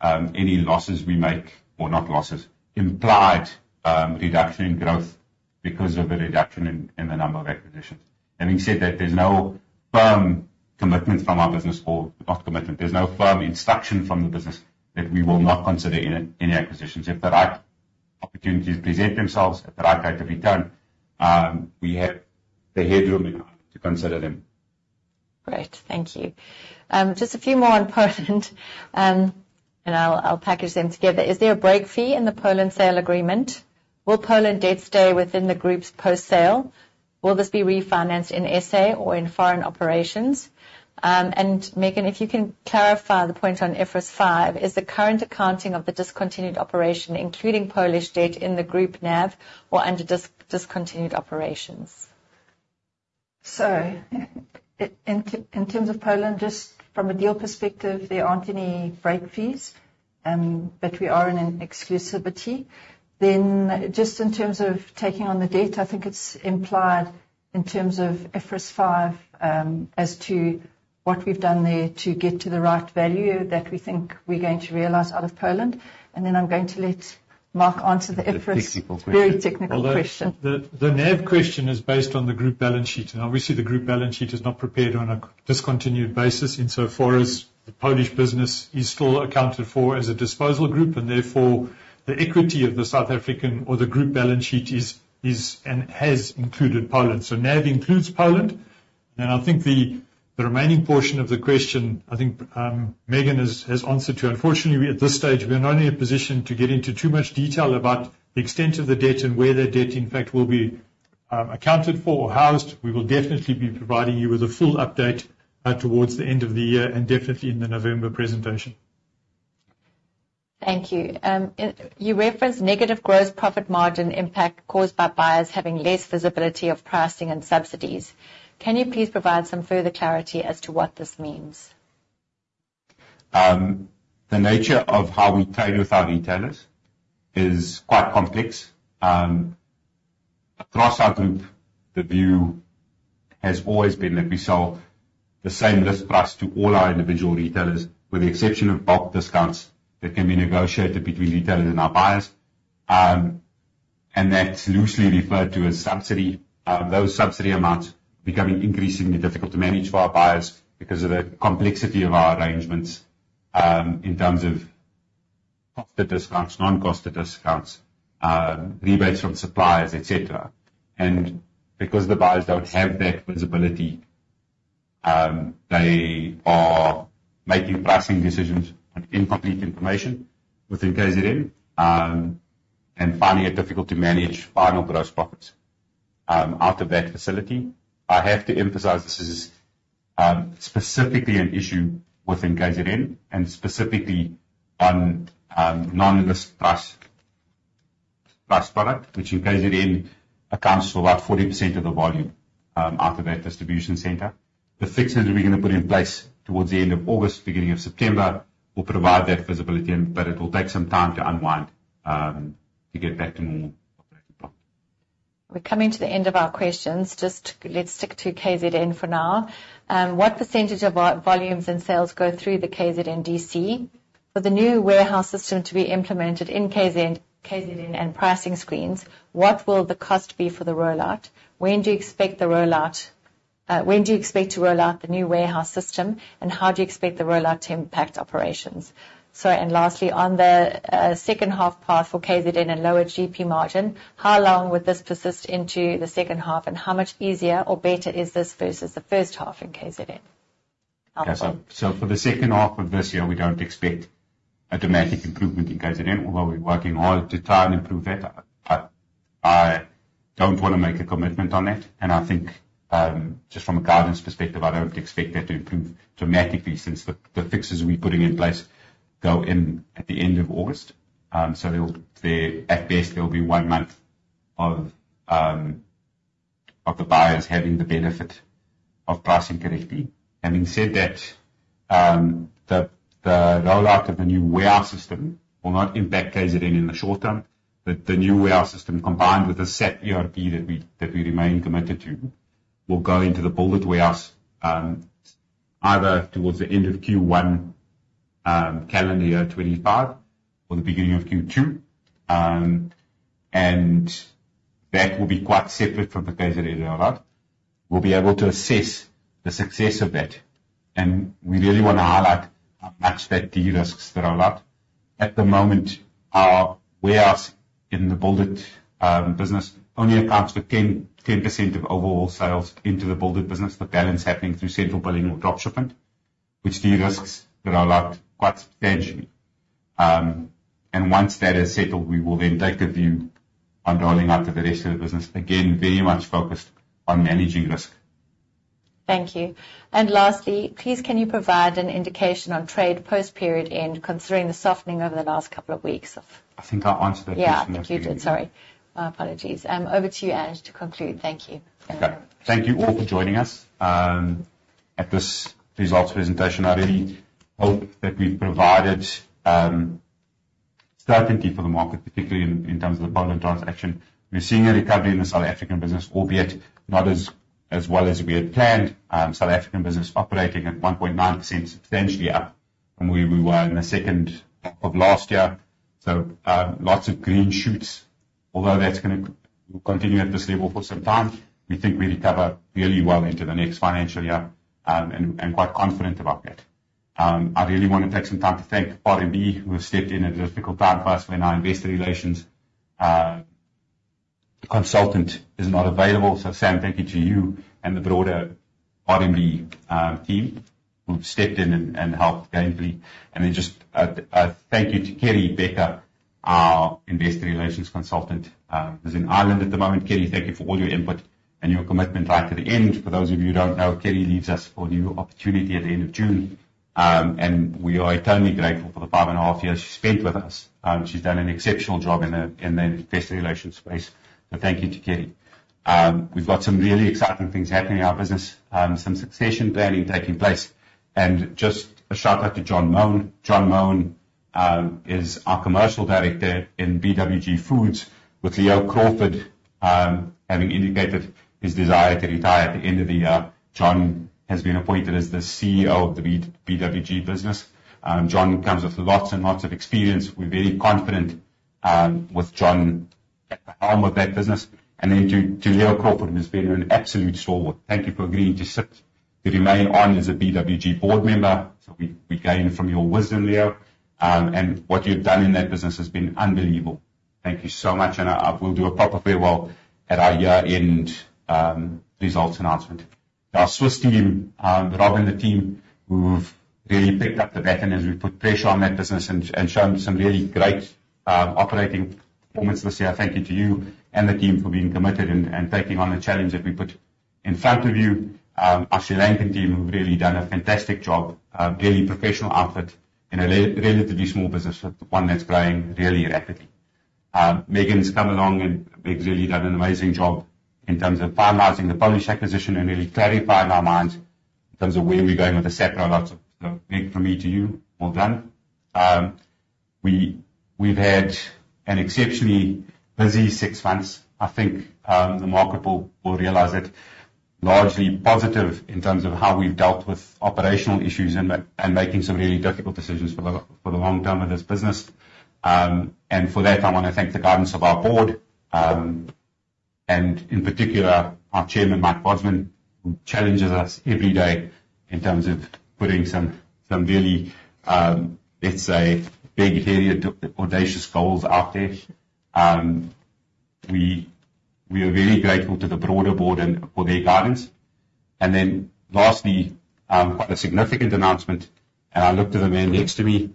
S1: offset any losses we make or not losses, implied reduction in growth because of the reduction in the number of acquisitions. Having said that, there's no firm commitment from our business, or not commitment, there's no firm instruction from the business that we will not consider any acquisitions. If the right opportunities present themselves, if the right rate of return, we have the headroom to consider them.
S4: Great. Thank you. Just a few more on Poland, and I'll package them together. Is there a break fee in the Poland sale agreement? Will Poland debt stay within the group's post-sale? Will this be refinanced in SA or in foreign operations? And Megan, if you can clarify the point on IFRS 5, is the current accounting of the discontinued operation, including Polish debt in the group NAV or under discontinued operations?
S2: So in terms of Poland, just from a deal perspective, there aren't any break fees, but we are in an exclusivity. Then just in terms of taking on the debt, I think it's implied in terms of IFRS 5 as to what we've done there to get to the right value that we think we're going to realize out of Poland. And then I'm going to let Mark answer the IFRS very technical question.
S3: The NAV question is based on the group balance sheet, and obviously, the group balance sheet is not prepared on a discontinued basis insofar as the Polish business is still accounted for as a disposal group, and therefore the equity of the South African, or the group balance sheet, has included Poland, so NAV includes Poland, and then I think the remaining portion of the question, I think Megan has answered to. Unfortunately, at this stage, we are not in a position to get into too much detail about the extent of the debt and where that debt, in fact, will be accounted for or housed. We will definitely be providing you with a full update towards the end of the year and definitely in the November presentation.
S4: Thank you. You referenced negative gross profit margin impact caused by buyers having less visibility of pricing and subsidies. Can you please provide some further clarity as to what this means?
S1: The nature of how we trade with our retailers is quite complex. Across our group, the view has always been that we sell the same list price to all our individual retailers, with the exception of bulk discounts that can be negotiated between retailers and our buyers. And that's loosely referred to as subsidy. Those subsidy amounts are becoming increasingly difficult to manage for our buyers because of the complexity of our arrangements in terms of costed discounts, non-costed discounts, rebates from suppliers, etc. And because the buyers don't have that visibility, they are making pricing decisions on incomplete information within KZN, and finally, it's difficult to manage final gross profits out of that facility. I have to emphasize this is specifically an issue within KZN and specifically on non-list price product, which in KZN accounts for about 40% of the volume out of that distribution center. The fixes we're going to put in place towards the end of August, beginning of September, will provide that visibility, but it will take some time to unwind to get back to normal operating profit.
S4: We're coming to the end of our questions. Just let's stick to KZN for now. What percentage of volumes and sales go through the KZN DC? For the new warehouse system to be implemented in KZN and pricing screens, what will the cost be for the rollout? When do you expect the rollout? When do you expect to rollout the new warehouse system, and how do you expect the rollout to impact operations? And lastly, on the second half path for KZN and lower GP margin, how long would this persist into the second half, and how much easier or better is this versus the first half in KZN?
S1: So for the second half of this year, we don't expect a dramatic improvement in KZN, although we're working hard to try and improve that. I don't want to make a commitment on that, and I think just from a guidance perspective, I don't expect that to improve dramatically since the fixes we're putting in place go in at the end of August. So at best, there'll be one month of the buyers having the benefit of pricing correctly. Having said that, the rollout of the new warehouse system will not impact KZN in the short term. The new warehouse system, combined with the SAP ERP that we remain committed to, will go into the Build it warehouse either towards the end of Q1 calendar year 2025 or the beginning of Q2. And that will be quite separate from the KZN rollout. We'll be able to assess the success of that, and we really want to highlight how much that de-risks the rollout. At the moment, our warehouse in the Build it business only accounts for 10% of overall sales into the Build it business. The balance happening through central billing or dropshipping, which de-risks the rollout quite substantially. And once that is settled, we will then take a view on rolling out to the rest of the business, again, very much focused on managing risk.
S4: Thank you. And lastly, please, can you provide an indication on trade post-period end considering the softening over the last couple of weeks?
S1: I think I answered that question.
S4: Yes, you did. Sorry. My apologies. Over to you, Ange, to conclude. Thank you.
S1: Okay. Thank you all for joining us at this results presentation. I really hope that we've provided certainty for the market, particularly in terms of the Poland transaction. We're seeing a recovery in the South African business, albeit not as well as we had planned. South African business operating at 1.9%, substantially up from where we were in the second half of last year, so lots of green shoots. Although that's going to continue at this level for some time, we think we recover really well into the next financial year and quite confident about that. I really want to take some time to thank RMB, who have stepped in at a difficult time for us when our investor relations consultant is not available. So Sam, thank you to you and the broader RMB team who've stepped in and helped gainfully. And then just a thank you to Kerry Becker, our investor relations consultant. She's in Ireland at the moment. Kerry, thank you for all your input and your commitment right to the end. For those of you who don't know, Kerry leaves us for a new opportunity at the end of June, and we are eternally grateful for the five and a half years she spent with us. She's done an exceptional job in the investor relations space. So thank you to Kerry. We've got some really exciting things happening in our business, some succession planning taking place. And just a shout-out to John Moane. John Moane is our commercial director in BWG Foods, with Leo Crawford having indicated his desire to retire at the end of the year. John has been appointed as the CEO of the BWG business. John comes with lots and lots of experience. We're very confident with John at the helm of that business, and then to Leo Crawford, who's been an absolute stalwart, thank you for agreeing to sit to remain on as a BWG board member. So we gain from your wisdom, Leo, and what you've done in that business has been unbelievable. Thank you so much, and I will do a proper farewell at our year-end results announcement. Our Swiss team, Rob and the team, who've really picked up the baton as we've put pressure on that business and shown some really great operating performance this year, thank you to you and the team for being committed and taking on the challenge that we put in front of you. Our Sri Lankan team, who've really done a fantastic job, really professional outfit in a relatively small business, but one that's growing really rapidly. Megan's come along and has really done an amazing job in terms of finalizing the Polish acquisition and really clarifying our minds in terms of where we're going with the SAP rollouts. So Meg, from me to you, well done. We've had an exceptionally busy six months. I think the market will realize it. Largely positive in terms of how we've dealt with operational issues and making some really difficult decisions for the long term of this business. And for that, I want to thank the guidance of our board and, in particular, our Chairman, Mike Bosman, who challenges us every day in terms of putting some really, let's say, big hairy audacious goals out there. We are very grateful to the broader board for their guidance. And then lastly, quite a significant announcement, and I look to the man next to me,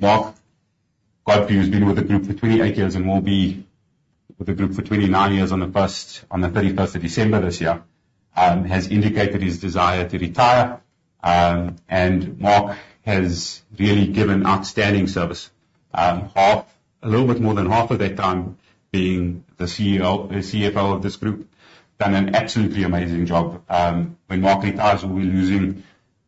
S1: Mark Godfrey has been with the group for 28 years and will be with the group for 29 years on the 31st of December this year, has indicated his desire to retire. And Mark has really given outstanding service. A little bit more than half of that time, being the CFO of this group, done an absolutely amazing job. When Mark retires, we're losing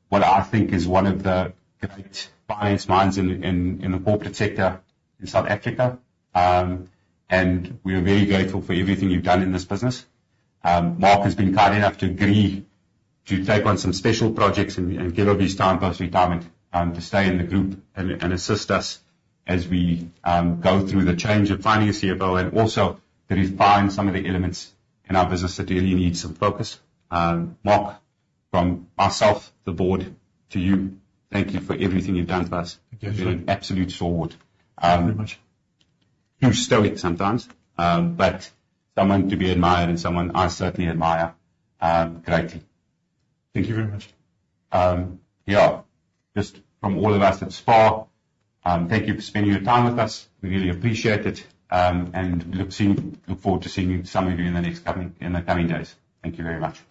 S1: what I think is one of the great finance minds in the corporate sector in South Africa, and we are very grateful for everything you've done in this business. Mark has been kind enough to agree to take on some special projects and give us his time post-retirement to stay in the group and assist us as we go through the change of finding a CFO and also to refine some of the elements in our business that really need some focus. Mark, from myself, the board, to you, thank you for everything you've done for us. You're an absolute stalwart.
S3: Thank you very much.
S1: Too stoic sometimes, but someone to be admired and someone I certainly admire greatly.
S3: Thank you very much.
S1: Yeah. Just from all of us at SPAR, thank you for spending your time with us. We really appreciate it, and we look forward to seeing some of you in the coming days. Thank you very much.